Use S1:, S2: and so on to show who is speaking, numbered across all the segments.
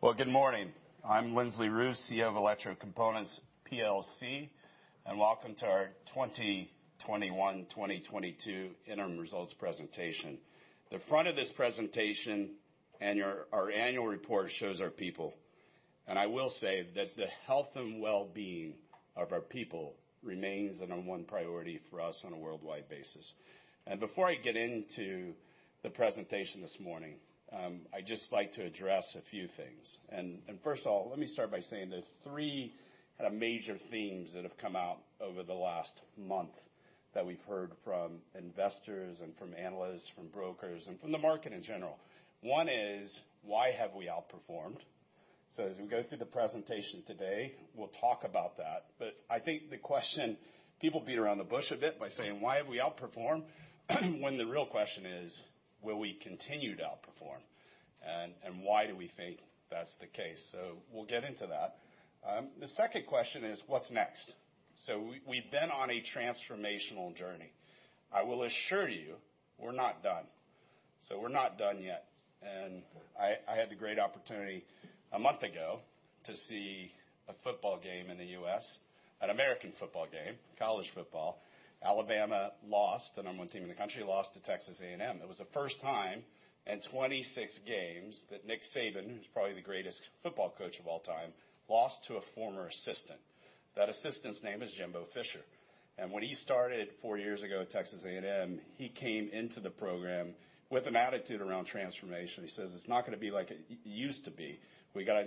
S1: Well, good morning. I'm Lindsley Ruth, CEO of Electrocomponents plc, and welcome to our 2021/2022 interim results presentation. The front of this presentation and our annual report shows our people. I will say that the health and well-being of our people remains the number one priority for us on a worldwide basis. Before I get into the presentation this morning, I'd just like to address a few things. First of all, let me start by saying there's three kinda major themes that have come out over the last month that we've heard from investors and from analysts, from brokers, and from the market in general. One is, why have we outperformed? As we go through the presentation today, we'll talk about that. I think the question, people beat around the bush a bit by saying, "Why have we outperformed?" The real question is, will we continue to outperform? Why do we think that's the case? We'll get into that. The second question is what's next? We've been on a transformational journey. I will assure you we're not done. We're not done yet. I had the great opportunity a month ago to see a football game in the U.S., an American football game, college football. Alabama lost, the number one team in the country, lost to Texas A&M. It was the first time in 26 games that Nick Saban, who's probably the greatest football coach of all time, lost to a former assistant. That assistant's name is Jimbo Fisher. When he started four years ago at Texas A&M, he came into the program with an attitude around transformation. He says, "It's not gonna be like it used to be. We gotta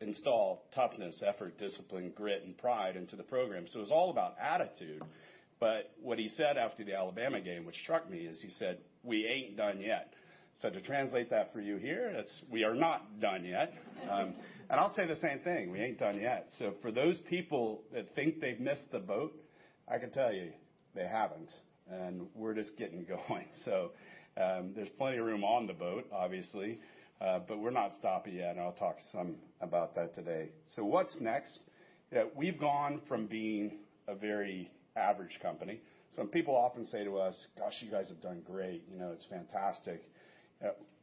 S1: install toughness, effort, discipline, grit, and pride into the program." It was all about attitude. What he said after the Alabama game, which struck me, is he said, "We ain't done yet." To translate that for you here, it's we are not done yet. I'll say the same thing, we ain't done yet. For those people that think they've missed the boat, I can tell you they haven't, and we're just getting going. There's plenty of room on the boat, obviously, but we're not stopping yet, and I'll talk some about that today. What's next? That we've gone from being a very average company. Some people often say to us, "Gosh, you guys have done great, you know, it's fantastic."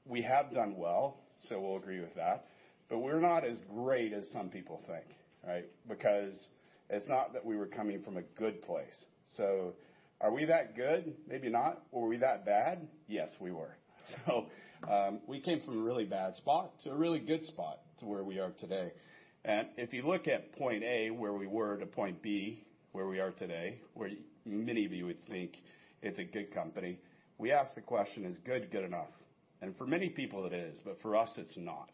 S1: We have done well, so we'll agree with that, but we're not as great as some people think, right? Because it's not that we were coming from a good place. Are we that good? Maybe not. Or were we that bad? Yes, we were. We came from a really bad spot to a really good spot to where we are today. If you look at point A, where we were, to point B, where we are today, where many of you would think it's a good company, we ask the question, is good good enough? For many people it is, but for us it's not.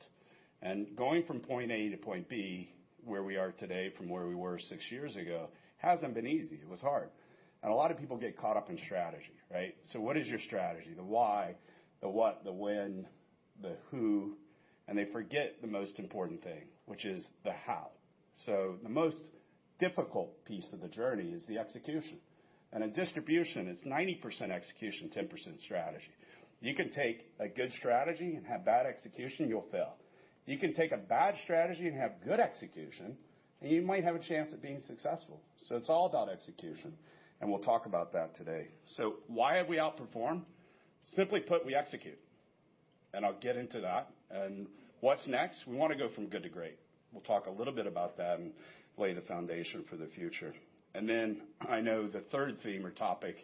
S1: Going from point A to point B, where we are today from where we were six years ago, hasn't been easy. It was hard. A lot of people get caught up in strategy, right? What is your strategy? The why, the what, the when, the who, and they forget the most important thing, which is the how. The most difficult piece of the journey is the execution. In distribution, it's 90% execution, 10% strategy. You can take a good strategy and have bad execution, you'll fail. You can take a bad strategy and have good execution, and you might have a chance at being successful. It's all about execution, and we'll talk about that today. Why have we outperformed? Simply put, we execute. I'll get into that. What's next? We wanna go from good to great. We'll talk a little bit about that and lay the foundation for the future. I know the third theme or topic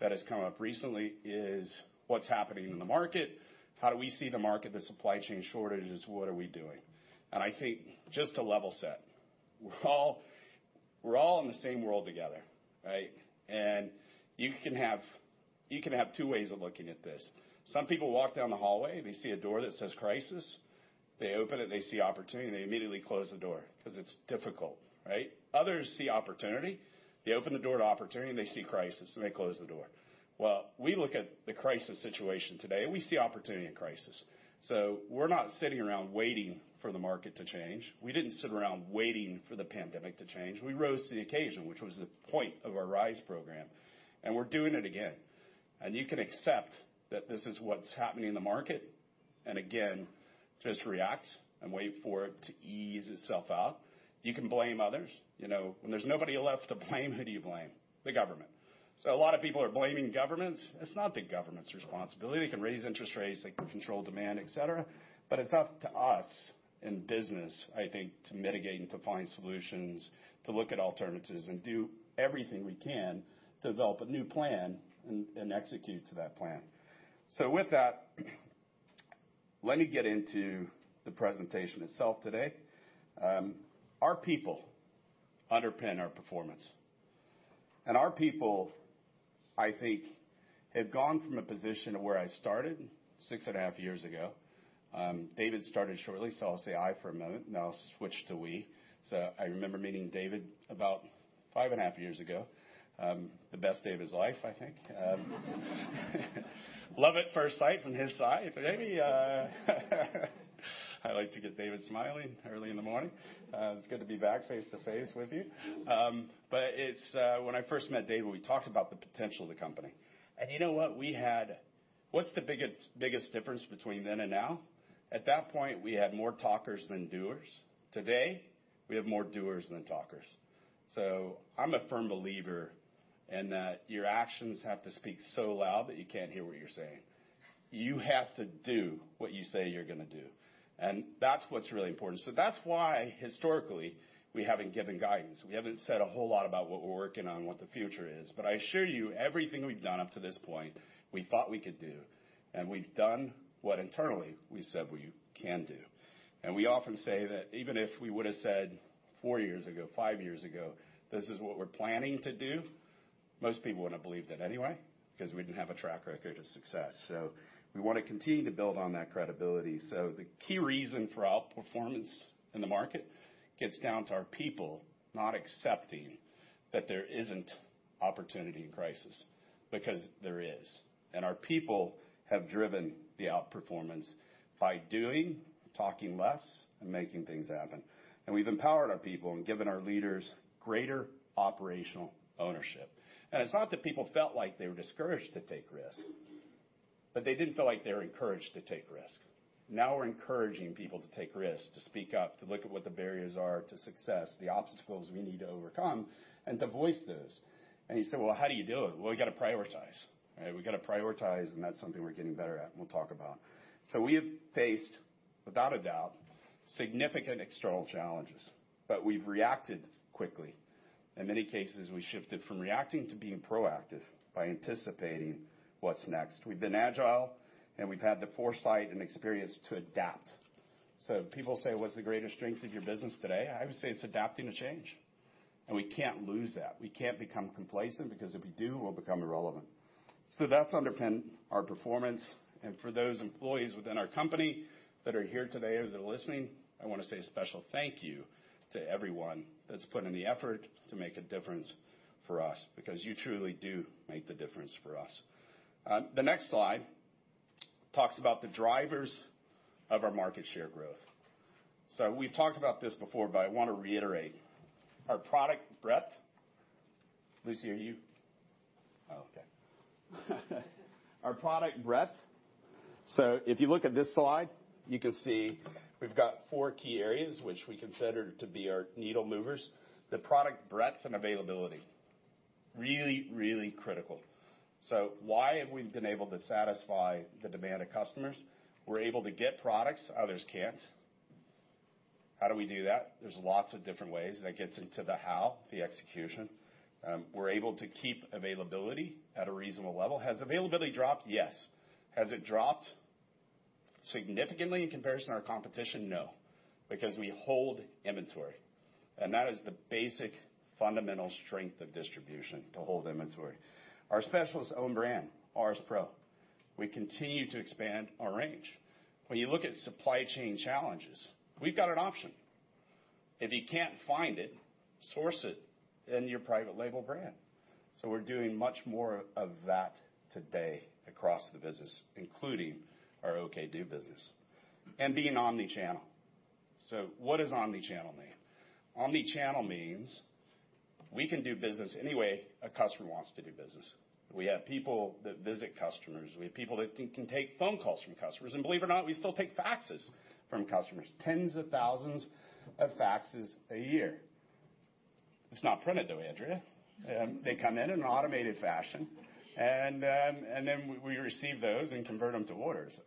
S1: that has come up recently is what's happening in the market. How do we see the market, the supply chain shortages, what are we doing? I think just to level set, we're all in the same world together, right? You can have two ways of looking at this. Some people walk down the hallway, they see a door that says crisis. They open it, and they see opportunity, and they immediately close the door 'cause it's difficult, right? Others see opportunity. They open the door to opportunity, and they see crisis, and they close the door. Well, we look at the crisis situation today, and we see opportunity and crisis. We're not sitting around waiting for the market to change. We didn't sit around waiting for the pandemic to change. We rose to the occasion, which was the point of our RISE program, and we're doing it again. You can accept that this is what's happening in the market, and again, just react and wait for it to ease itself out. You can blame others. You know, when there's nobody left to blame, who do you blame? The government. A lot of people are blaming governments. It's not the government's responsibility. They can raise interest rates, they can control demand, et cetera, but it's up to us in business, I think, to mitigate and to find solutions, to look at alternatives and do everything we can to develop a new plan and execute to that plan. With that, let me get into the presentation itself today. Our people underpin our performance. Our people, I think, have gone from a position of where I started six and a half years ago. David started shortly, so I'll say I for a moment, and I'll switch to we. I remember meeting David about five and a half years ago, the best day of his life, I think. Love at first sight from his side. Maybe. I like to get David smiling early in the morning. It's good to be back face-to-face with you. But when I first met David, we talked about the potential of the company. You know what? We had. What's the biggest difference between then and now? At that point, we had more talkers than doers. Today, we have more doers than talkers. I'm a firm believer in that your actions have to speak so loud that you can't hear what you're saying. You have to do what you say you're gonna do, and that's what's really important. That's why, historically, we haven't given guidance. We haven't said a whole lot about what we're working on, what the future is. I assure you, everything we've done up to this point, we thought we could do, and we've done what internally we said we can do. We often say that even if we would've said four years ago, five years ago, this is what we're planning to do, most people wouldn't believe that anyway because we didn't have a track record of success. We wanna continue to build on that credibility. The key reason for outperformance in the market gets down to our people not accepting that there isn't opportunity in crisis, because there is. Our people have driven the outperformance by doing, talking less, and making things happen. We've empowered our people and given our leaders greater operational ownership. It's not that people felt like they were discouraged to take risks, but they didn't feel like they were encouraged to take risk. Now we're encouraging people to take risks, to speak up, to look at what the barriers are to success, the obstacles we need to overcome, and to voice those. You say, "Well, how do you do it?" Well, we gotta prioritize, right? We gotta prioritize, and that's something we're getting better at, and we'll talk about. We have faced, without a doubt, significant external challenges, but we've reacted quickly. In many cases, we shifted from reacting to being proactive by anticipating what's next. We've been agile, and we've had the foresight and experience to adapt. People say, "What's the greatest strength of your business today?" I would say it's adapting to change, and we can't lose that. We can't become complacent, because if we do, we'll become irrelevant. That's underpinned our performance. For those employees within our company that are here today or that are listening, I wanna say a special thank you to everyone that's put in the effort to make a difference for us, because you truly do make the difference for us. The next slide talks about the drivers of our market share growth. We've talked about this before, but I wanna reiterate. Our product breadth. If you look at this slide, you can see we've got four key areas which we consider to be our needle movers. The product breadth and availability, really, really critical. Why have we been able to satisfy the demand of customers? We're able to get products others can't. How do we do that? There's lots of different ways, and it gets into the how, the execution. We're able to keep availability at a reasonable level. Has availability dropped? Yes. Has it dropped significantly in comparison to our competition? No. Because we hold inventory, and that is the basic fundamental strength of distribution, to hold inventory. Our specialist-owned brand, RS PRO, we continue to expand our range. When you look at supply chain challenges, we've got an option. If you can't find it, source it in your private label brand. We're doing much more of that today across the business, including our OKdo business. Being omnichannel. What does omnichannel mean? Omnichannel means we can do business any way a customer wants to do business. We have people that visit customers. We have people that can take phone calls from customers. Believe it or not, we still take faxes from customers, tens of thousands of faxes a year. It's not printed, though, Andrea. They come in in an automated fashion, and then we receive those and convert them to orders.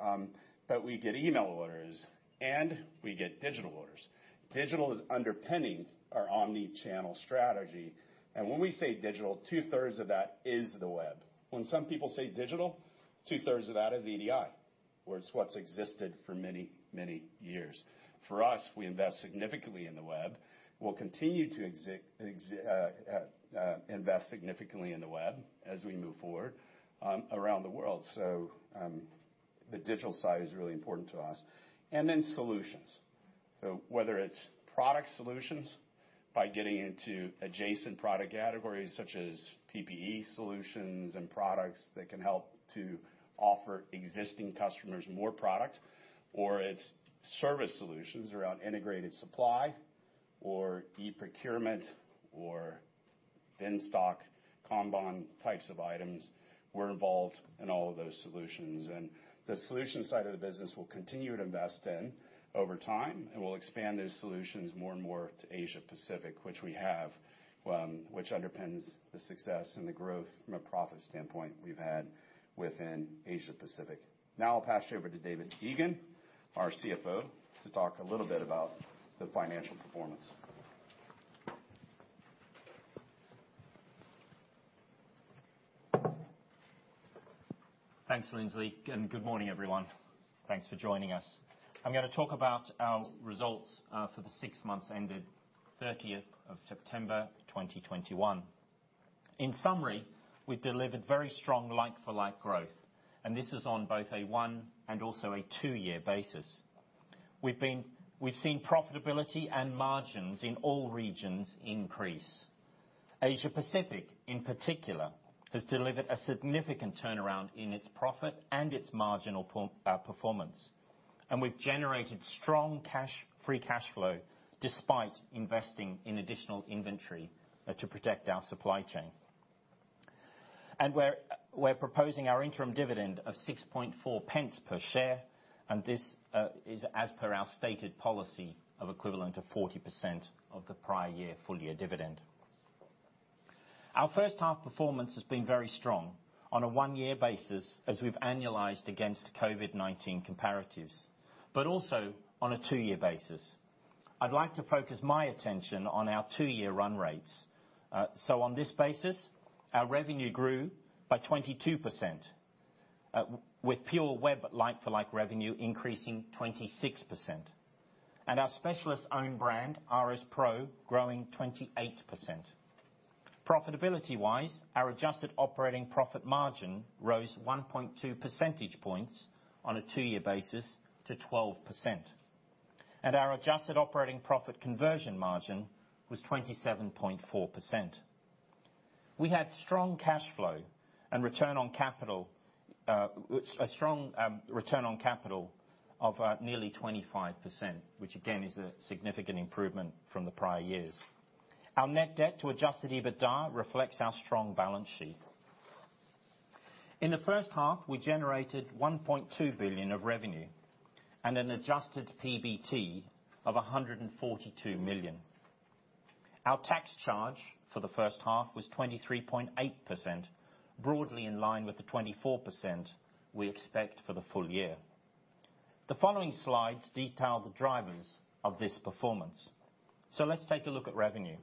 S1: But we get email orders and we get digital orders. Digital is underpinning our omnichannel strategy. When we say digital, two-thirds of that is the web. When some people say digital, two-thirds of that is EDI, where it's what's existed for many, many years. For us, we invest significantly in the web. We'll continue to invest significantly in the web as we move forward, around the world. The digital side is really important to us. Solutions, whether it's product solutions by getting into adjacent product categories, such as PPE solutions and products that can help to offer existing customers more product, or it's service solutions around integrated supply or e-procurement or in-stock kanban types of items, we're involved in all of those solutions. The solutions side of the business, we'll continue to invest in over time, and we'll expand those solutions more and more to Asia-Pacific, which we have, which underpins the success and the growth from a profit standpoint we've had within Asia-Pacific. Now I'll pass you over to David Egan, our CFO, to talk a little bit about the financial performance.
S2: Thanks, Lindsley, and good morning, everyone. Thanks for joining us. I'm gonna talk about our results for the six months ended thirtieth of September 2021. In summary, we've delivered very strong like-for-like growth, and this is on both a one and also a two-year basis. We've seen profitability and margins in all regions increase. Asia-Pacific, in particular, has delivered a significant turnaround in its profit and its margin performance. We're proposing our interim dividend of 6.4 pence per share, and this is as per our stated policy of equivalent to 40% of the prior year full-year dividend. Our first half performance has been very strong on a one-year basis as we've annualized against COVID-19 comparatives, but also on a two-year basis. I'd like to focus my attention on our two-year run rates. So on this basis, our revenue grew by 22%, with pure web like-for-like revenue increasing 26%. Our specialist-owned brand, RS PRO, growing 28%. Profitability-wise, our adjusted operating profit margin rose 1.2 percentage points on a two-year basis to 12%, and our adjusted operating profit conversion margin was 27.4%. We had strong cash flow and a strong return on capital of nearly 25%, which again is a significant improvement from the prior years. Our net debt to adjusted EBITDA reflects our strong balance sheet. In the first half, we generated 1.2 billion of revenue and an adjusted PBT of 142 million. Our tax charge for the first half was 23.8%, broadly in line with the 24% we expect for the full-year. The following slides detail the drivers of this performance. Let's take a look at revenue.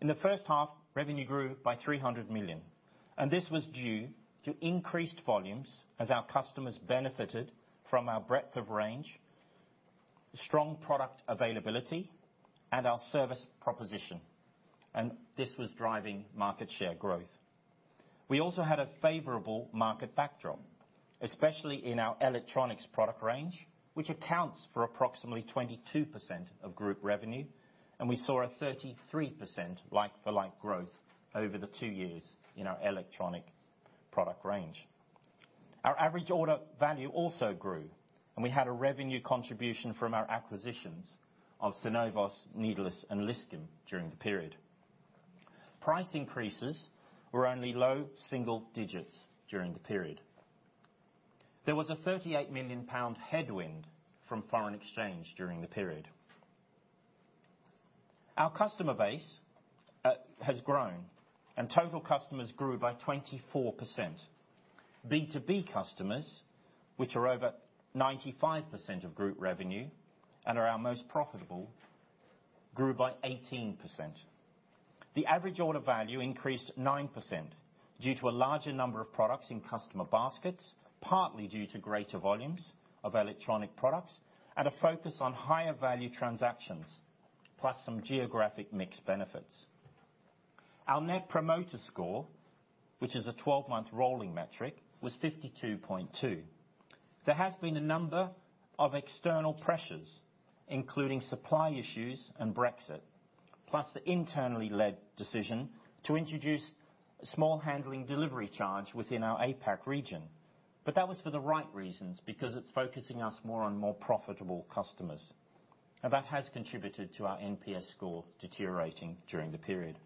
S2: In the first half, revenue grew by 300 million, and this was due to increased volumes as our customers benefited from our breadth of range, strong product availability, and our service proposition. This was driving market share growth. We also had a favorable market backdrop, especially in our electronics product range, which accounts for approximately 22% of group revenue, and we saw a 33% like-for-like growth over the two years in our electronic product range. Our average order value also grew, and we had a revenue contribution from our acquisitions of Synovos, Needlers and Liscombe during the period. Price increases were only low single digits during the period. There was a 38 million pound headwind from foreign exchange during the period. Our customer base has grown and total customers grew by 24%. B2B customers, which are over 95% of group revenue and are our most profitable, grew by 18%. The average order value increased 9% due to a larger number of products in customer baskets, partly due to greater volumes of electronic products and a focus on higher value transactions, plus some geographic mix benefits. Our net promoter score, which is a 12-month rolling metric, was 52.2. There has been a number of external pressures, including supply issues and Brexit, plus the internally led decision to introduce a small handling delivery charge within our APAC region. That was for the right reasons, because it's focusing us more on more profitable customers. That has contributed to our NPS score deteriorating during the period.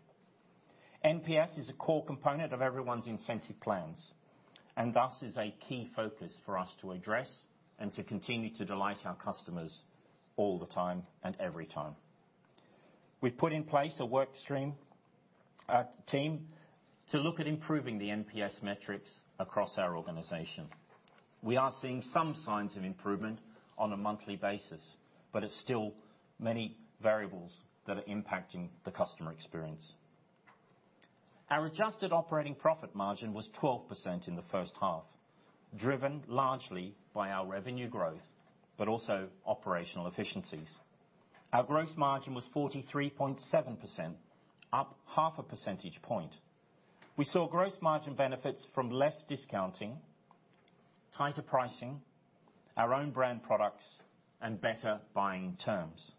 S2: NPS is a core component of everyone's incentive plans and thus is a key focus for us to address and to continue to delight our customers all the time and every time. We've put in place a work stream, team to look at improving the NPS metrics across our organization. We are seeing some signs of improvement on a monthly basis, but it's still many variables that are impacting the customer experience. Our adjusted operating profit margin was 12% in the first half, driven largely by our revenue growth, but also operational efficiencies. Our growth margin was 43.7%, up half a percentage point. We saw gross margin benefits from less discounting, tighter pricing, our own brand products and better buying terms.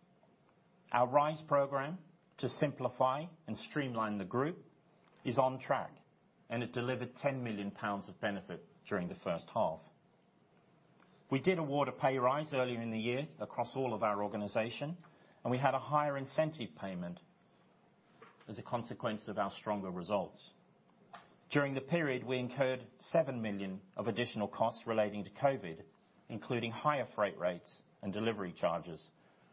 S2: Our RISE program to simplify and streamline the group is on track, and it delivered 10 million pounds of benefit during the first half. We did award a pay rise earlier in the year across all of our organization, and we had a higher incentive payment as a consequence of our stronger results. During the period, we incurred 7 million of additional costs relating to COVID-19, including higher freight rates and delivery charges.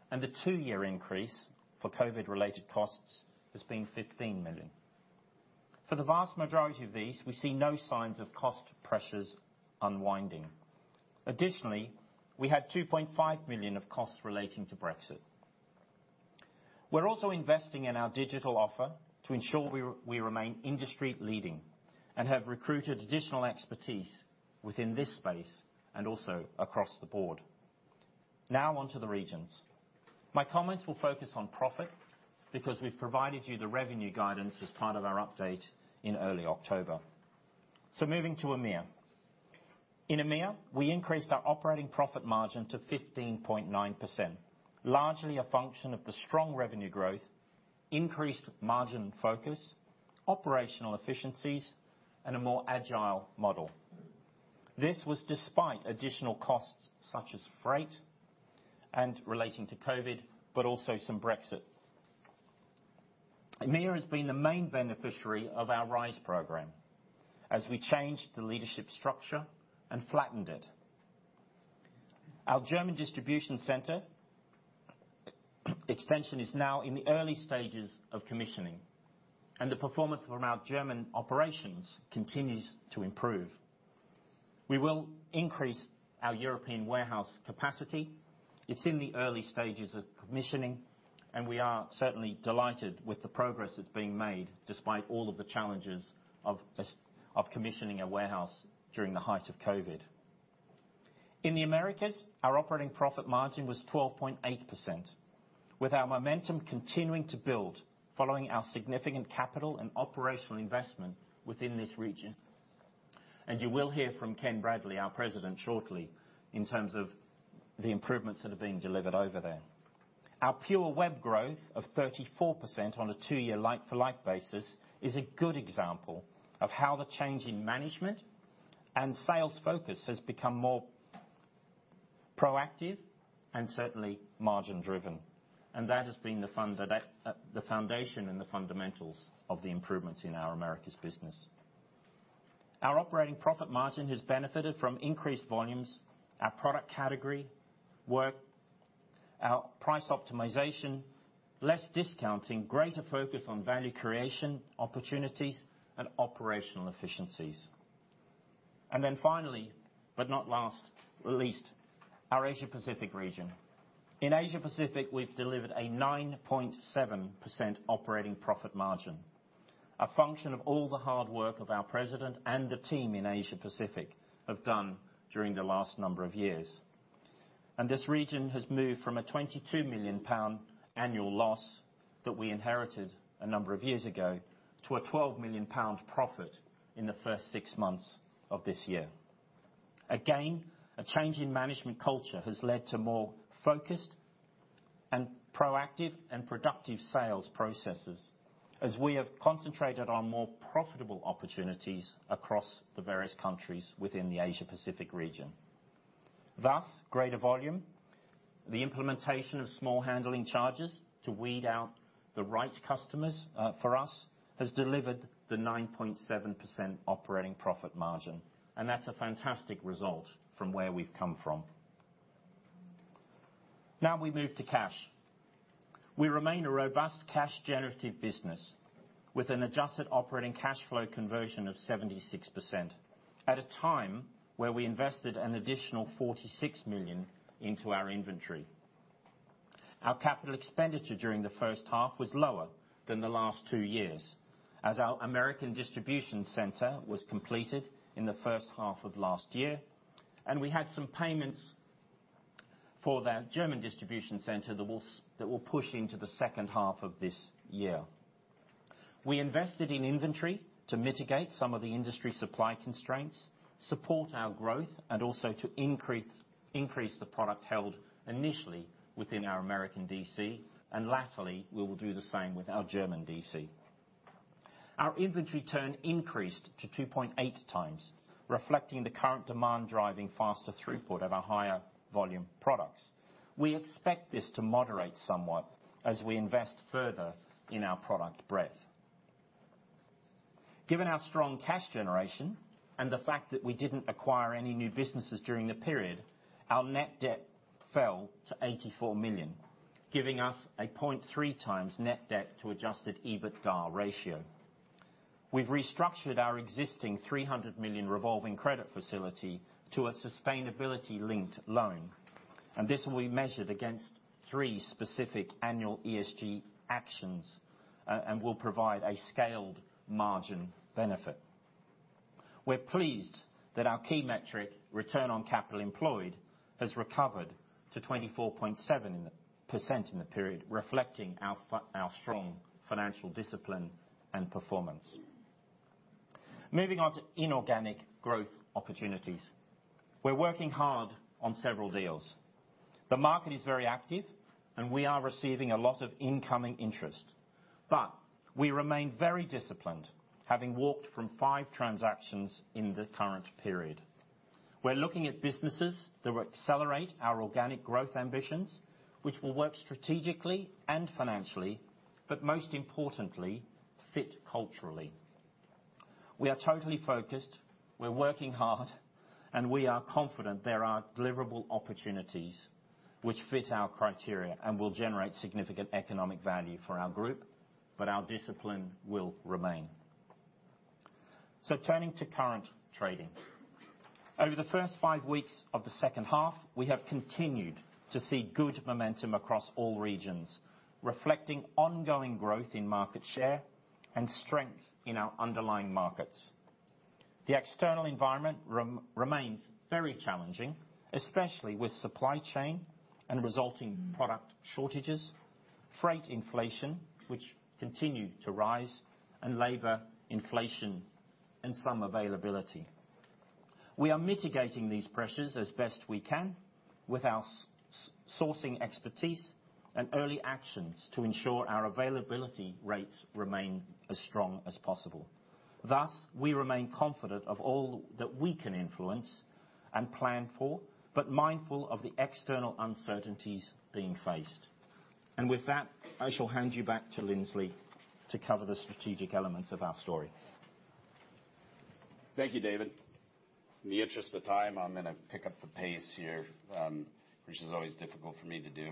S2: The two-year increase for COVID-19-related costs has been 15 million. For the vast majority of these, we see no signs of cost pressures unwinding. Additionally, we had 2.5 million of costs relating to Brexit. We're also investing in our digital offer to ensure we remain industry leading and have recruited additional expertise within this space and also across the board. Now on to the regions. My comments will focus on profit because we've provided you the revenue guidance as part of our update in early October. Moving to EMEA. In EMEA, we increased our operating profit margin to 15.9%, largely a function of the strong revenue growth, increased margin focus, operational efficiencies, and a more agile model. This was despite additional costs such as freight and relating to COVID, but also some Brexit. EMEA has been the main beneficiary of our RISE program, as we changed the leadership structure and flattened it. Our German distribution center extension is now in the early stages of commissioning, and the performance from our German operations continues to improve. We will increase our European warehouse capacity. It's in the early stages of commissioning, and we are certainly delighted with the progress that's being made despite all of the challenges of commissioning a warehouse during the height of COVID. In the Americas, our operating profit margin was 12.8%, with our momentum continuing to build following our significant capital and operational investment within this region. You will hear from Ken Bradley, our President, shortly in terms of the improvements that have been delivered over there. Our pure web growth of 34% on a two-year like-for-like basis is a good example of how the change in management and sales focus has become more proactive and certainly margin-driven. That has been the foundation and the fundamentals of the improvements in our Americas business. Our operating profit margin has benefited from increased volumes, our product category work, our price optimization, less discounting, greater focus on value creation opportunities, and operational efficiencies. Finally, but not last or least, our Asia Pacific region. In Asia Pacific, we've delivered a 9.7% operating profit margin, a function of all the hard work of our president and the team in Asia Pacific have done during the last number of years. This region has moved from a 22 million pound annual loss that we inherited a number of years ago to a 12 million pound profit in the first six months of this year. Again, a change in management culture has led to more focused and proactive and productive sales processes as we have concentrated on more profitable opportunities across the various countries within the Asia Pacific region. Thus, greater volume, the implementation of small handling charges to weed out the right customers for us, has delivered the 9.7% operating profit margin, and that's a fantastic result from where we've come from. Now we move to cash. We remain a robust cash generative business with an adjusted operating cash flow conversion of 76% at a time where we invested an additional 46 million into our inventory. Our capital expenditure during the first half was lower than the last two years, as our American distribution center was completed in the first half of last year, and we had some payments for that German distribution center that will push into the second half of this year. We invested in inventory to mitigate some of the industry supply constraints, support our growth, and also to increase the product held initially within our American DC, and latterly, we will do the same with our German DC. Our inventory turn increased to 2.8x, reflecting the current demand driving faster throughput of our higher volume products. We expect this to moderate somewhat as we invest further in our product breadth. Given our strong cash generation and the fact that we didn't acquire any new businesses during the period, our net debt fell to 84 million, giving us a 0.3x net debt to adjusted EBITDA ratio. We've restructured our existing 300 million revolving credit facility to a sustainability-linked loan, and this will be measured against three specific annual ESG actions, and will provide a scaled margin benefit. We're pleased that our key metric, return on capital employed, has recovered to 24.7% in the period, reflecting our strong financial discipline and performance. Moving on to inorganic growth opportunities. We're working hard on several deals. The market is very active, and we are receiving a lot of incoming interest. We remain very disciplined, having walked from five transactions in the current period. We're looking at businesses that will accelerate our organic growth ambitions, which will work strategically and financially, but most importantly, fit culturally. We are totally focused, we're working hard, and we are confident there are deliverable opportunities which fit our criteria and will generate significant economic value for our group, but our discipline will remain. Turning to current trading. Over the first five weeks of the second half, we have continued to see good momentum across all regions, reflecting ongoing growth in market share and strength in our underlying markets. The external environment remains very challenging, especially with supply chain and resulting product shortages, freight inflation, which continue to rise, and labor inflation and some availability. We are mitigating these pressures as best we can with our sourcing expertise and early actions to ensure our availability rates remain as strong as possible. Thus, we remain confident of all that we can influence and plan for, but mindful of the external uncertainties being faced. With that, I shall hand you back to Lindsley to cover the strategic elements of our story.
S1: Thank you, David. In the interest of time, I'm gonna pick up the pace here, which is always difficult for me to do.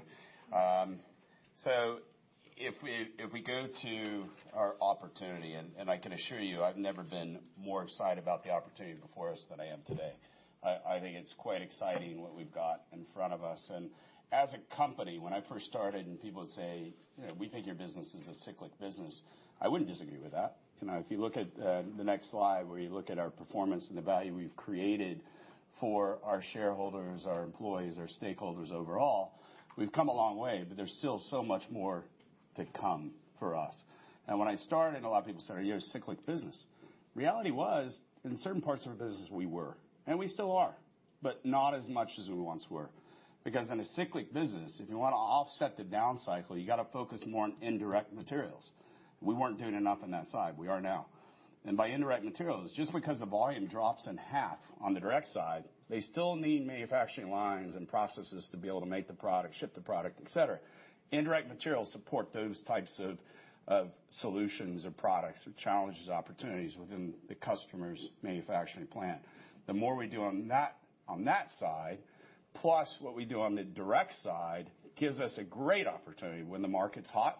S1: If we go to our opportunity, and I can assure you, I've never been more excited about the opportunity before us than I am today. I think it's quite exciting what we've got in front of us. As a company, when I first started and people would say, "We think your business is a cyclical business," I wouldn't disagree with that. You know, if you look at the next slide, where you look at our performance and the value we've created for our shareholders, our employees, our stakeholders overall, we've come a long way, but there's still so much more to come for us. When I started, a lot of people said, "You're a cyclical business," reality was, in certain parts of our business we were, and we still are, but not as much as we once were. Because in a cyclical business, if you wanna offset the down cycle, you gotta focus more on indirect materials. We weren't doing enough on that side. We are now. By indirect materials, just because the volume drops in half on the direct side, they still need manufacturing lines and processes to be able to make the product, ship the product, et cetera. Indirect materials support those types of solutions or products with challenges, opportunities within the customer's manufacturing plant. The more we do on that, on that side, plus what we do on the direct side, gives us a great opportunity when the market's hot,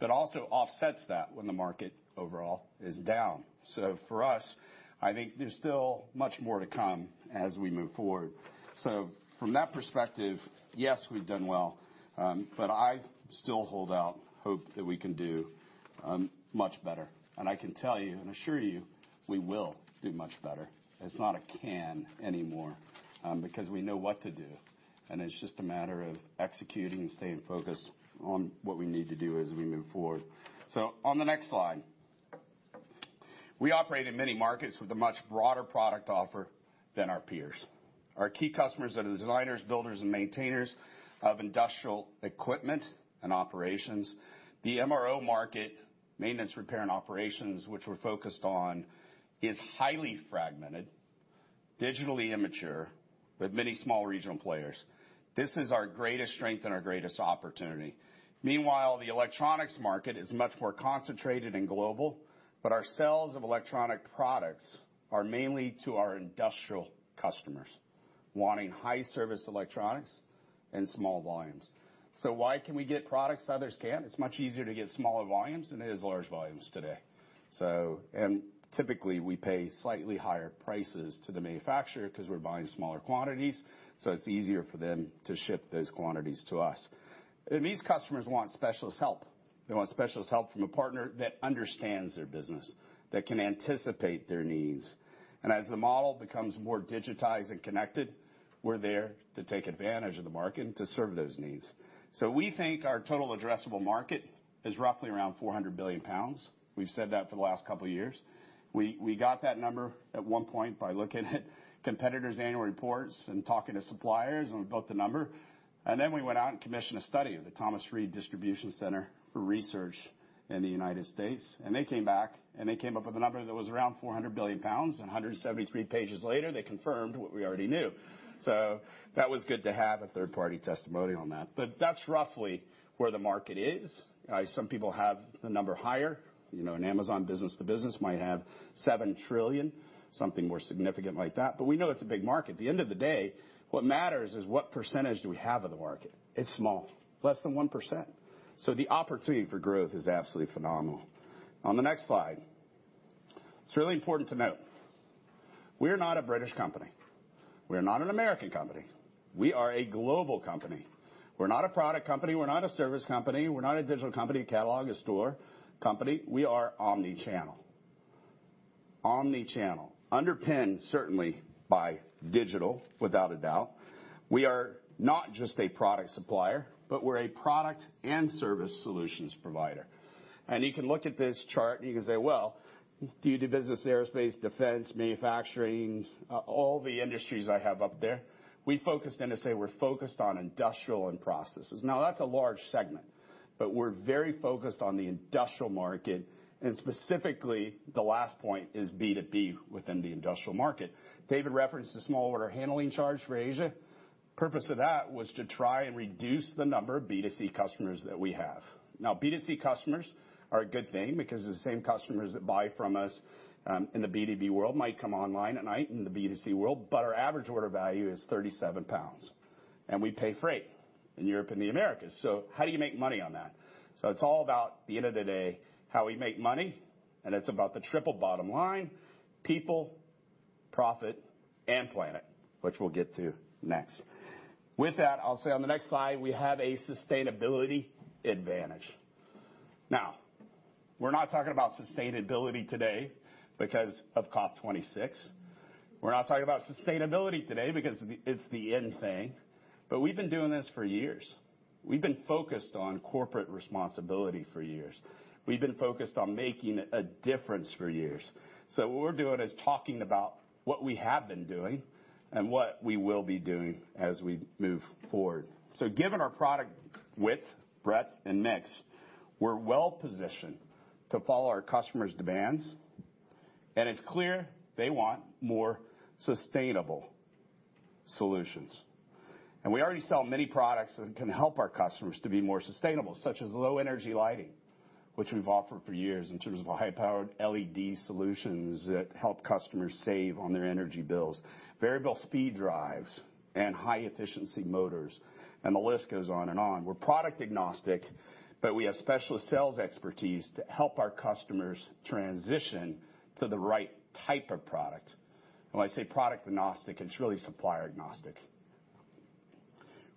S1: but also offsets that when the market overall is down. For us, I think there's still much more to come as we move forward. From that perspective, yes, we've done well, but I still hold out hope that we can do much better. I can tell you and assure you we will do much better. It's not a plan anymore, because we know what to do, and it's just a matter of executing and staying focused on what we need to do as we move forward. On the next slide. We operate in many markets with a much broader product offer than our peers. Our key customers are the designers, builders, and maintainers of industrial equipment and operations. The MRO market, maintenance, repair, and operations, which we're focused on, is highly fragmented, digitally immature with many small regional players. This is our greatest strength and our greatest opportunity. Meanwhile, the electronics market is much more concentrated and global, but our sales of electronic products are mainly to our industrial customers wanting high service electronics and small volumes. Why can we get products others can't? It's much easier to get smaller volumes than it is large volumes today. Typically, we pay slightly higher prices to the manufacturer 'cause we're buying smaller quantities, so it's easier for them to ship those quantities to us. These customers want specialist help. They want specialist help from a partner that understands their business, that can anticipate their needs. As the model becomes more digitized and connected, we're there to take advantage of the market and to serve those needs. We think our total addressable market is roughly around 400 billion pounds. We've said that for the last couple of years. We got that number at one point by looking at competitors' annual reports and talking to suppliers, and we built the number. We went out and commissioned a study of the Thomas and Joan Read Center for Distribution Research and Education in the United States, and they came back, and they came up with a number that was around 400 billion pounds. 173 pages later, they confirmed what we already knew. That was good to have a third-party testimonial on that. That's roughly where the market is. Some people have the number higher. You know, an Amazon business-to-business might have 7 trillion, something more significant like that, but we know it's a big market. At the end of the day, what matters is what percentage do we have of the market. It's small, less than 1%. The opportunity for growth is absolutely phenomenal. On the next slide. It's really important to note we're not a British company. We're not an American company. We are a global company. We're not a product company. We're not a service company. We're not a digital company, a catalog, a store company. We are omni-channel. Underpinned certainly by digital, without a doubt. We are not just a product supplier, but we're a product and service solutions provider. You can look at this chart and you can say, well, do you do business aerospace, defense, manufacturing, all the industries I have up there? We focus on MRO, we're focused on industrial and process. Now that's a large segment, but we're very focused on the industrial market, and specifically the last point is B2B within the industrial market. David referenced the small order handling charge for Asia. The purpose of that was to try and reduce the number of B2C customers that we have. Now, B2C customers are a good thing because the same customers that buy from us in the B2B world might come online at night in the B2C world, but our average order value is 37 pounds, and we pay freight in Europe and the Americas. How do you make money on that? It's all about, at the end of the day, how we make money, and it's about the triple bottom line, people, profit, and planet, which we'll get to next. With that, I'll say on the next slide, we have a sustainability advantage. Now, we're not talking about sustainability today because of COP26. We're not talking about sustainability today because it's the in thing. We've been doing this for years. We've been focused on corporate responsibility for years. We've been focused on making a difference for years. What we're doing is talking about what we have been doing and what we will be doing as we move forward. Given our product width, breadth, and mix, we're well-positioned to follow our customers' demands, and it's clear they want more sustainable solutions. We already sell many products that can help our customers to be more sustainable, such as low energy lighting, which we've offered for years in terms of our high-powered LED solutions that help customers save on their energy bills. Variable speed drives and high-efficiency motors, and the list goes on and on. We're product agnostic, but we have specialist sales expertise to help our customers transition to the right type of product. When I say product agnostic, it's really supplier agnostic.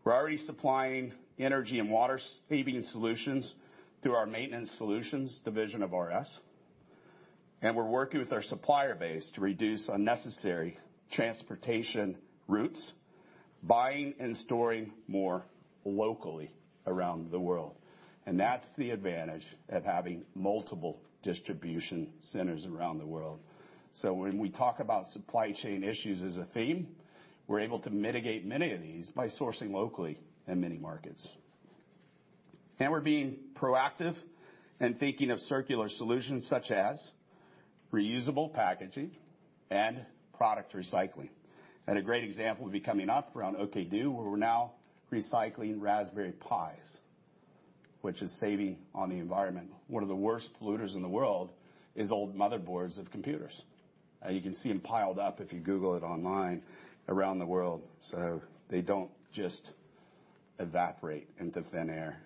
S1: We're already supplying energy and water saving solutions through our maintenance solutions division of RS, and we're working with our supplier base to reduce unnecessary transportation routes, buying and storing more locally around the world. That's the advantage of having multiple distribution centers around the world. When we talk about supply chain issues as a theme, we're able to mitigate many of these by sourcing locally in many markets. We're being proactive in thinking of circular solutions such as reusable packaging and product recycling. A great example will be coming up around OKdo, where we're now recycling Raspberry Pis, which is saving on the environment. One of the worst polluters in the world is old motherboards of computers. You can see them piled up if you Google it online around the world, so they don't just evaporate into thin air.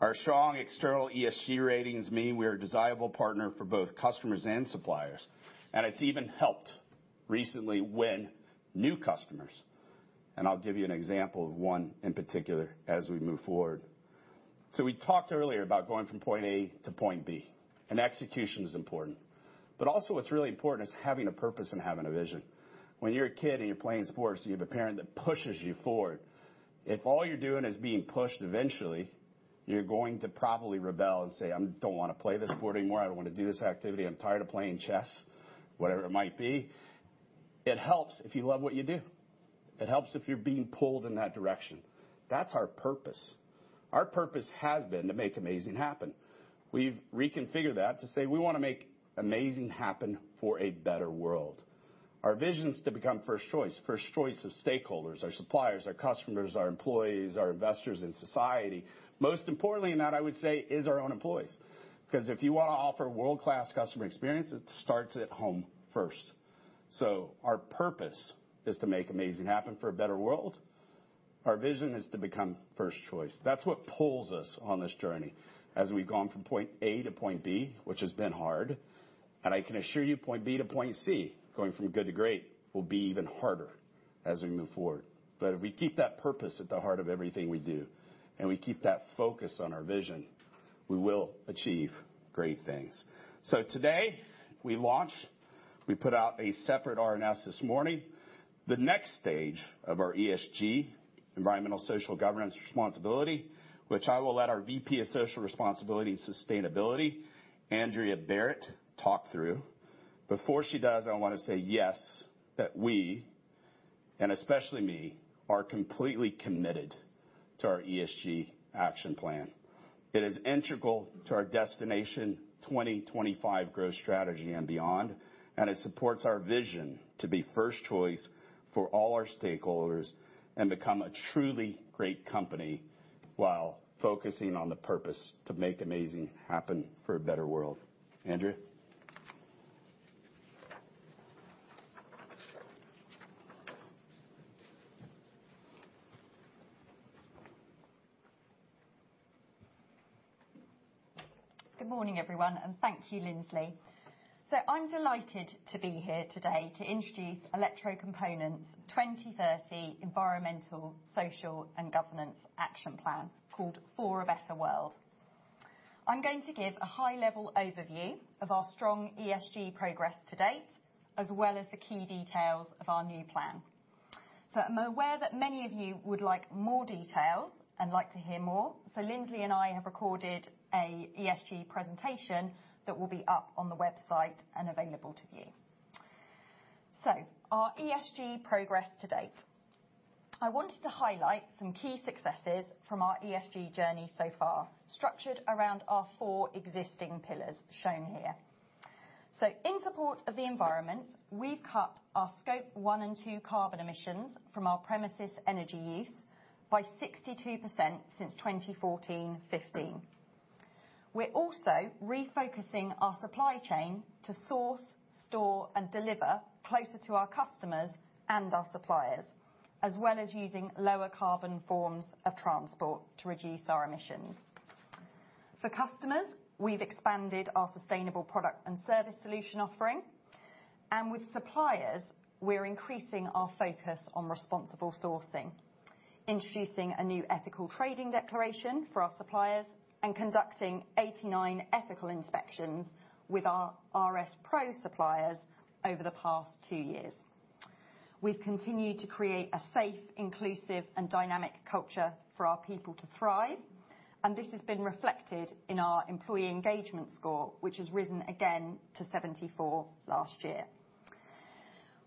S1: Our strong external ESG ratings mean we're a desirable partner for both customers and suppliers, and it's even helped recently win new customers. I'll give you an example of one in particular as we move forward. We talked earlier about going from point A to point B, and execution is important. Also what's really important is having a purpose and having a vision. When you're a kid and you're playing sports, you have a parent that pushes you forward. If all you're doing is being pushed, eventually you're going to probably rebel and say, "I don't wanna play this sport anymore. I don't wanna do this activity. I'm tired of playing chess," whatever it might be. It helps if you love what you do. It helps if you're being pulled in that direction. That's our purpose. Our purpose has been to make amazing happen. We've reconfigured that to say we wanna make amazing happen for a Better World. Our vision's to become first choice. First choice of stakeholders, our suppliers, our customers, our employees, our investors, and society. Most importantly in that, I would say, is our own employees, 'cause if you wanna offer world-class customer experience, it starts at home first. Our purpose is to make amazing happen for a better world. Our vision is to become first choice. That's what pulls us on this journey. As we've gone from point A to point B, which has been hard, and I can assure you, point B to point C, going from good to great, will be even harder as we move forward. If we keep that purpose at the heart of everything we do, and we keep that focus on our vision, we will achieve great things. Today we launch. We put out a separate RNS this morning. The next stage of our ESG, environmental social governance responsibility, which I will let our VP of Social Responsibility and Sustainability, Andrea Barrett, talk through. Before she does, I wanna say yes, that we, and especially me, are completely committed to our ESG action plan. It is integral to our Destination 2025 growth strategy and beyond, and it supports our vision to be first choice for all our stakeholders and become a truly great company while focusing on the purpose to make amazing happen for a better world. Andrea?
S3: Good morning, everyone, and thank you, Lindsley. I'm delighted to be here today to introduce Electrocomponents' 2030 environmental, social, and governance action plan called For a Better World. I'm going to give a high-level overview of our strong ESG progress to date, as well as the key details of our new plan. I'm aware that many of you would like more details and like to hear more, so Lindsley and I have recorded an ESG presentation that will be up on the website and available to view. Our ESG progress to date. I wanted to highlight some key successes from our ESG journey so far, structured around our four existing pillars shown here. In support of the environment, we've cut our scope one and two carbon emissions from our premises energy use by 62% since 2014-15. We're also refocusing our supply chain to source, store, and deliver closer to our customers and our suppliers, as well as using lower carbon forms of transport to reduce our emissions. For customers, we've expanded our sustainable product and service solution offering, and with suppliers, we're increasing our focus on responsible sourcing, introducing a new ethical trading declaration for our suppliers, and conducting 89 ethical inspections with our RS PRO suppliers over the past two years. We've continued to create a safe, inclusive, and dynamic culture for our people to thrive, and this has been reflected in our employee engagement score, which has risen again to 74 last year.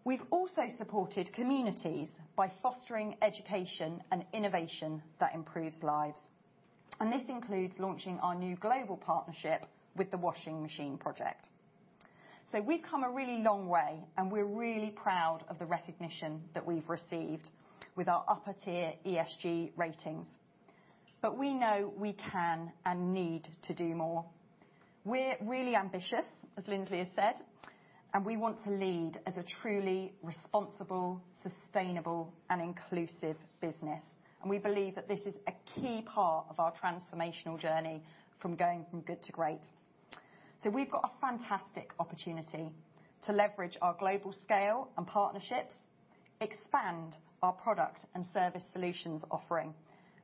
S3: We've also supported communities by fostering education and innovation that improves lives. This includes launching our new global partnership with The Washing Machine Project. We've come a really long way, and we're really proud of the recognition that we've received with our upper-tier ESG ratings. We know we can and need to do more. We're really ambitious, as Lindsley has said, and we want to lead as a truly responsible, sustainable, and inclusive business. We believe that this is a key part of our transformational journey from going from good to great. We've got a fantastic opportunity to leverage our global scale and partnerships, expand our product and service solutions offering,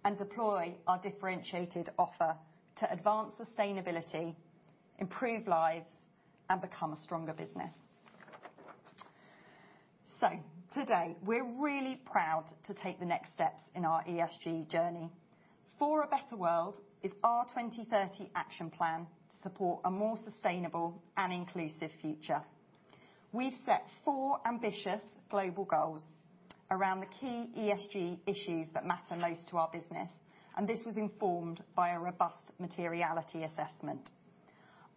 S3: and deploy our differentiated offer to advance sustainability, improve lives, and become a stronger business. Today, we're really proud to take the next steps in our ESG journey. For a Better World is our 2030 action plan to support a more sustainable and inclusive future. We've set four ambitious global goals around the key ESG issues that matter most to our business, and this was informed by a robust materiality assessment.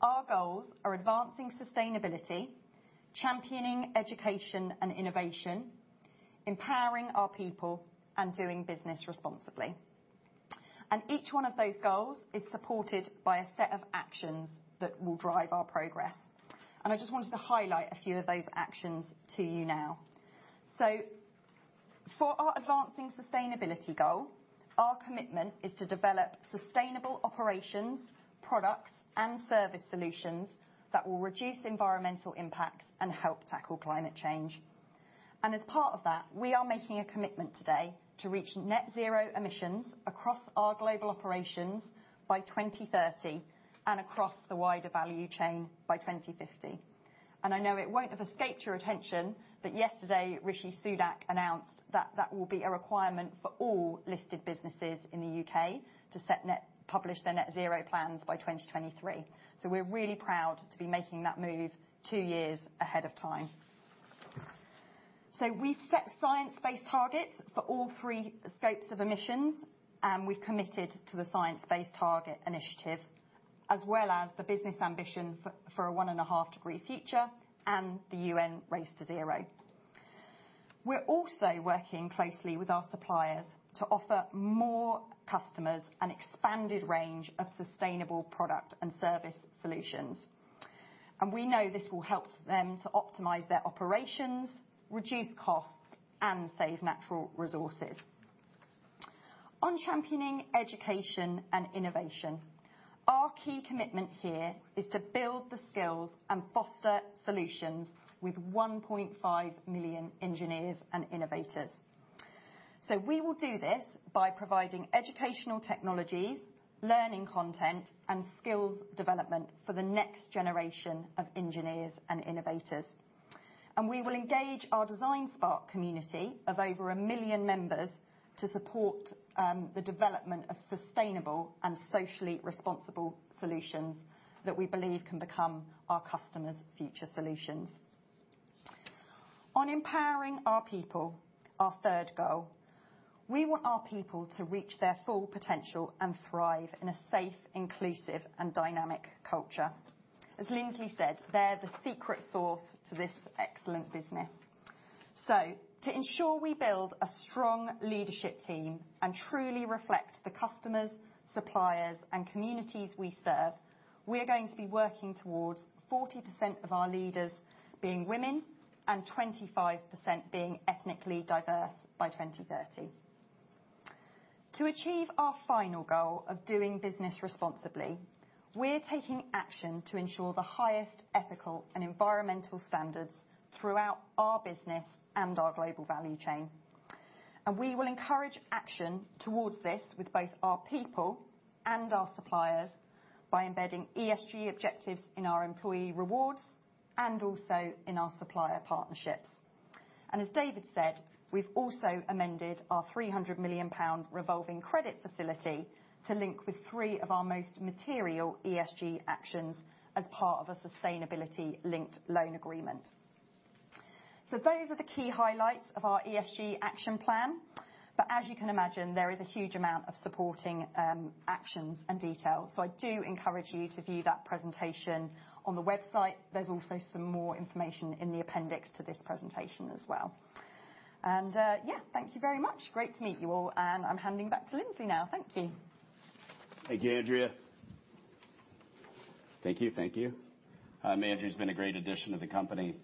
S3: Our goals are advancing sustainability, championing education and innovation, empowering our people, and doing business responsibly. Each one of those goals is supported by a set of actions that will drive our progress. I just wanted to highlight a few of those actions to you now. For our advancing sustainability goal, our commitment is to develop sustainable operations, products, and service solutions that will reduce environmental impacts and help tackle climate change. As part of that, we are making a commitment today to reach net zero emissions across our global operations by 2030 and across the wider value chain by 2050. I know it won't have escaped your attention that yesterday, Rishi Sunak announced that will be a requirement for all listed businesses in the U.K. to publish their net zero plans by 2023. We're really proud to be making that move two years ahead of time. We've set science-based targets for all three scopes of emissions, and we've committed to the Science Based Targets initiative, as well as the business ambition for a one and a half degree future and the UN Race to Zero. We're also working closely with our suppliers to offer more customers an expanded range of sustainable product and service solutions. We know this will help them to optimize their operations, reduce costs, and save natural resources. On championing education and innovation, our key commitment here is to build the skills and foster solutions with 1.5 million engineers and innovators. We will do this by providing educational technologies, learning content, and skills development for the next generation of engineers and innovators. We will engage our DesignSpark community of over a million members to support the development of sustainable and socially responsible solutions that we believe can become our customers' future solutions. On empowering our people, our third goal, we want our people to reach their full potential and thrive in a safe, inclusive, and dynamic culture. As Lindsley said, they're the secret sauce to this excellent business. To ensure we build a strong leadership team and truly reflect the customers, suppliers, and communities we serve, we're going to be working towards 40% of our leaders being women and 25% being ethnically diverse by 2030. To achieve our final goal of doing business responsibly, we're taking action to ensure the highest ethical and environmental standards throughout our business and our global value chain. We will encourage action towards this with both our people and our suppliers by embedding ESG objectives in our employee rewards and also in our supplier partnerships. As David said, we've also amended our 300 million pound revolving credit facility to link with three of our most material ESG actions as part of a sustainability-linked loan agreement. Those are the key highlights of our ESG action plan. As you can imagine, there is a huge amount of supporting actions and details. I do encourage you to view that presentation on the website. There's also some more information in the appendix to this presentation as well. Yeah, thank you very much. Great to meet you all, and I'm handing back to Lindsley now. Thank you.
S1: Thank you, Andrea. Andrea's been a great addition to the company.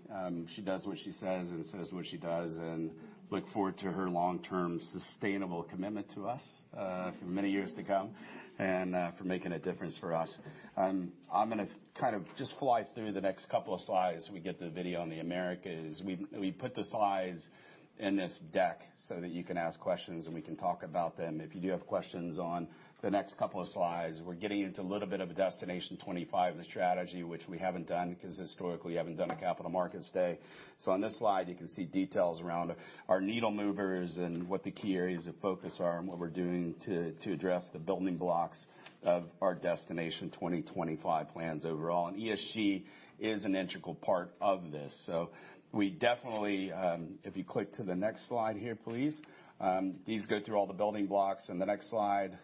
S1: She does what she says and says what she does, and I look forward to her long-term sustainable commitment to us for many years to come and for making a difference for us. I'm gonna kind of just fly through the next couple of slides so we get the video in the Americas. We put the slides in this deck so that you can ask questions, and we can talk about them if you do have questions on the next couple of slides. We're getting into a little bit of Destination 2025, the strategy which we haven't done because historically we haven't done a Capital Markets Day. On this slide, you can see details around our needle movers and what the key areas of focus are and what we're doing to address the building blocks of our Destination 2025 plans overall, and ESG is an integral part of this. We definitely, if you click to the next slide here, please. These go through all the building blocks, and the next slide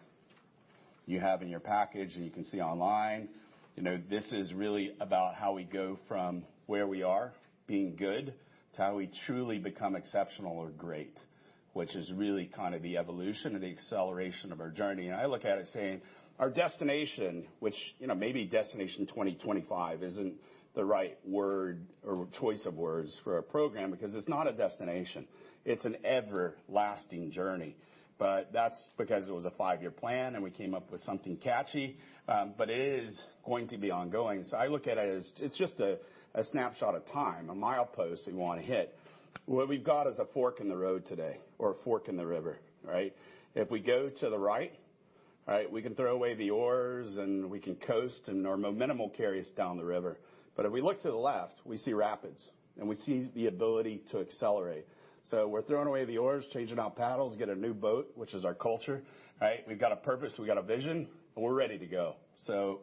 S1: you have in your package, and you can see online. You know, this is really about how we go from where we are, being good, to how we truly become exceptional or great, which is really kind of the evolution and the acceleration of our journey. I look at it saying our destination, which, you know, maybe Destination 2025 isn't the right word or choice of words for our program because it's not a destination. It's an everlasting journey. That's because it was a five-year plan, and we came up with something catchy. It is going to be ongoing. I look at it as it's just a snapshot of time, a milepost we wanna hit. What we've got is a fork in the road today, or a fork in the river, right? If we go to the right, we can throw away the oars, and we can coast, and our momentum will carry us down the river. If we look to the left, we see rapids, and we see the ability to accelerate. We're throwing away the oars, changing out paddles, get a new boat, which is our culture, right? We've got a purpose, we've got a vision, and we're ready to go.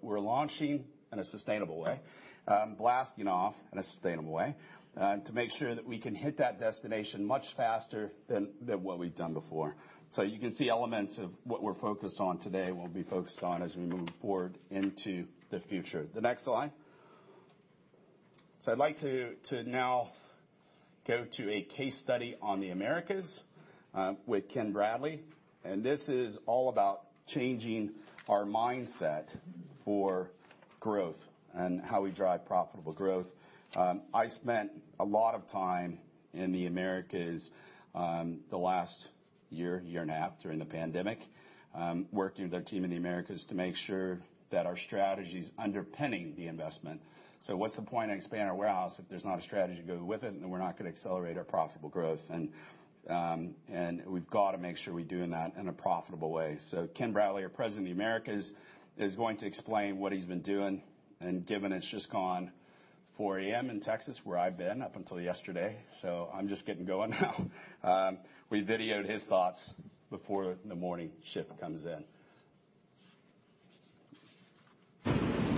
S1: We're launching in a sustainable way, blasting off in a sustainable way, to make sure that we can hit that destination much faster than what we've done before. You can see elements of what we're focused on today, we'll be focused on as we move forward into the future. The next slide. I'd like to now go to a case study on the Americas, with Ken Bradley, and this is all about changing our mindset for growth and how we drive profitable growth. I spent a lot of time in the Americas, the last year and a half during the pandemic, working with our team in the Americas to make sure that our strategy's underpinning the investment. What's the point in expanding our warehouse if there's not a strategy to go with it, and then we're not gonna accelerate our profitable growth. We've got to make sure we're doing that in a profitable way. Ken Bradley, our president of the Americas, is going to explain what he's been doing, and given it's just gone 4:00 A.M. in Texas, where I've been up until yesterday, so I'm just getting going now. We videoed his thoughts before the morning shift comes in.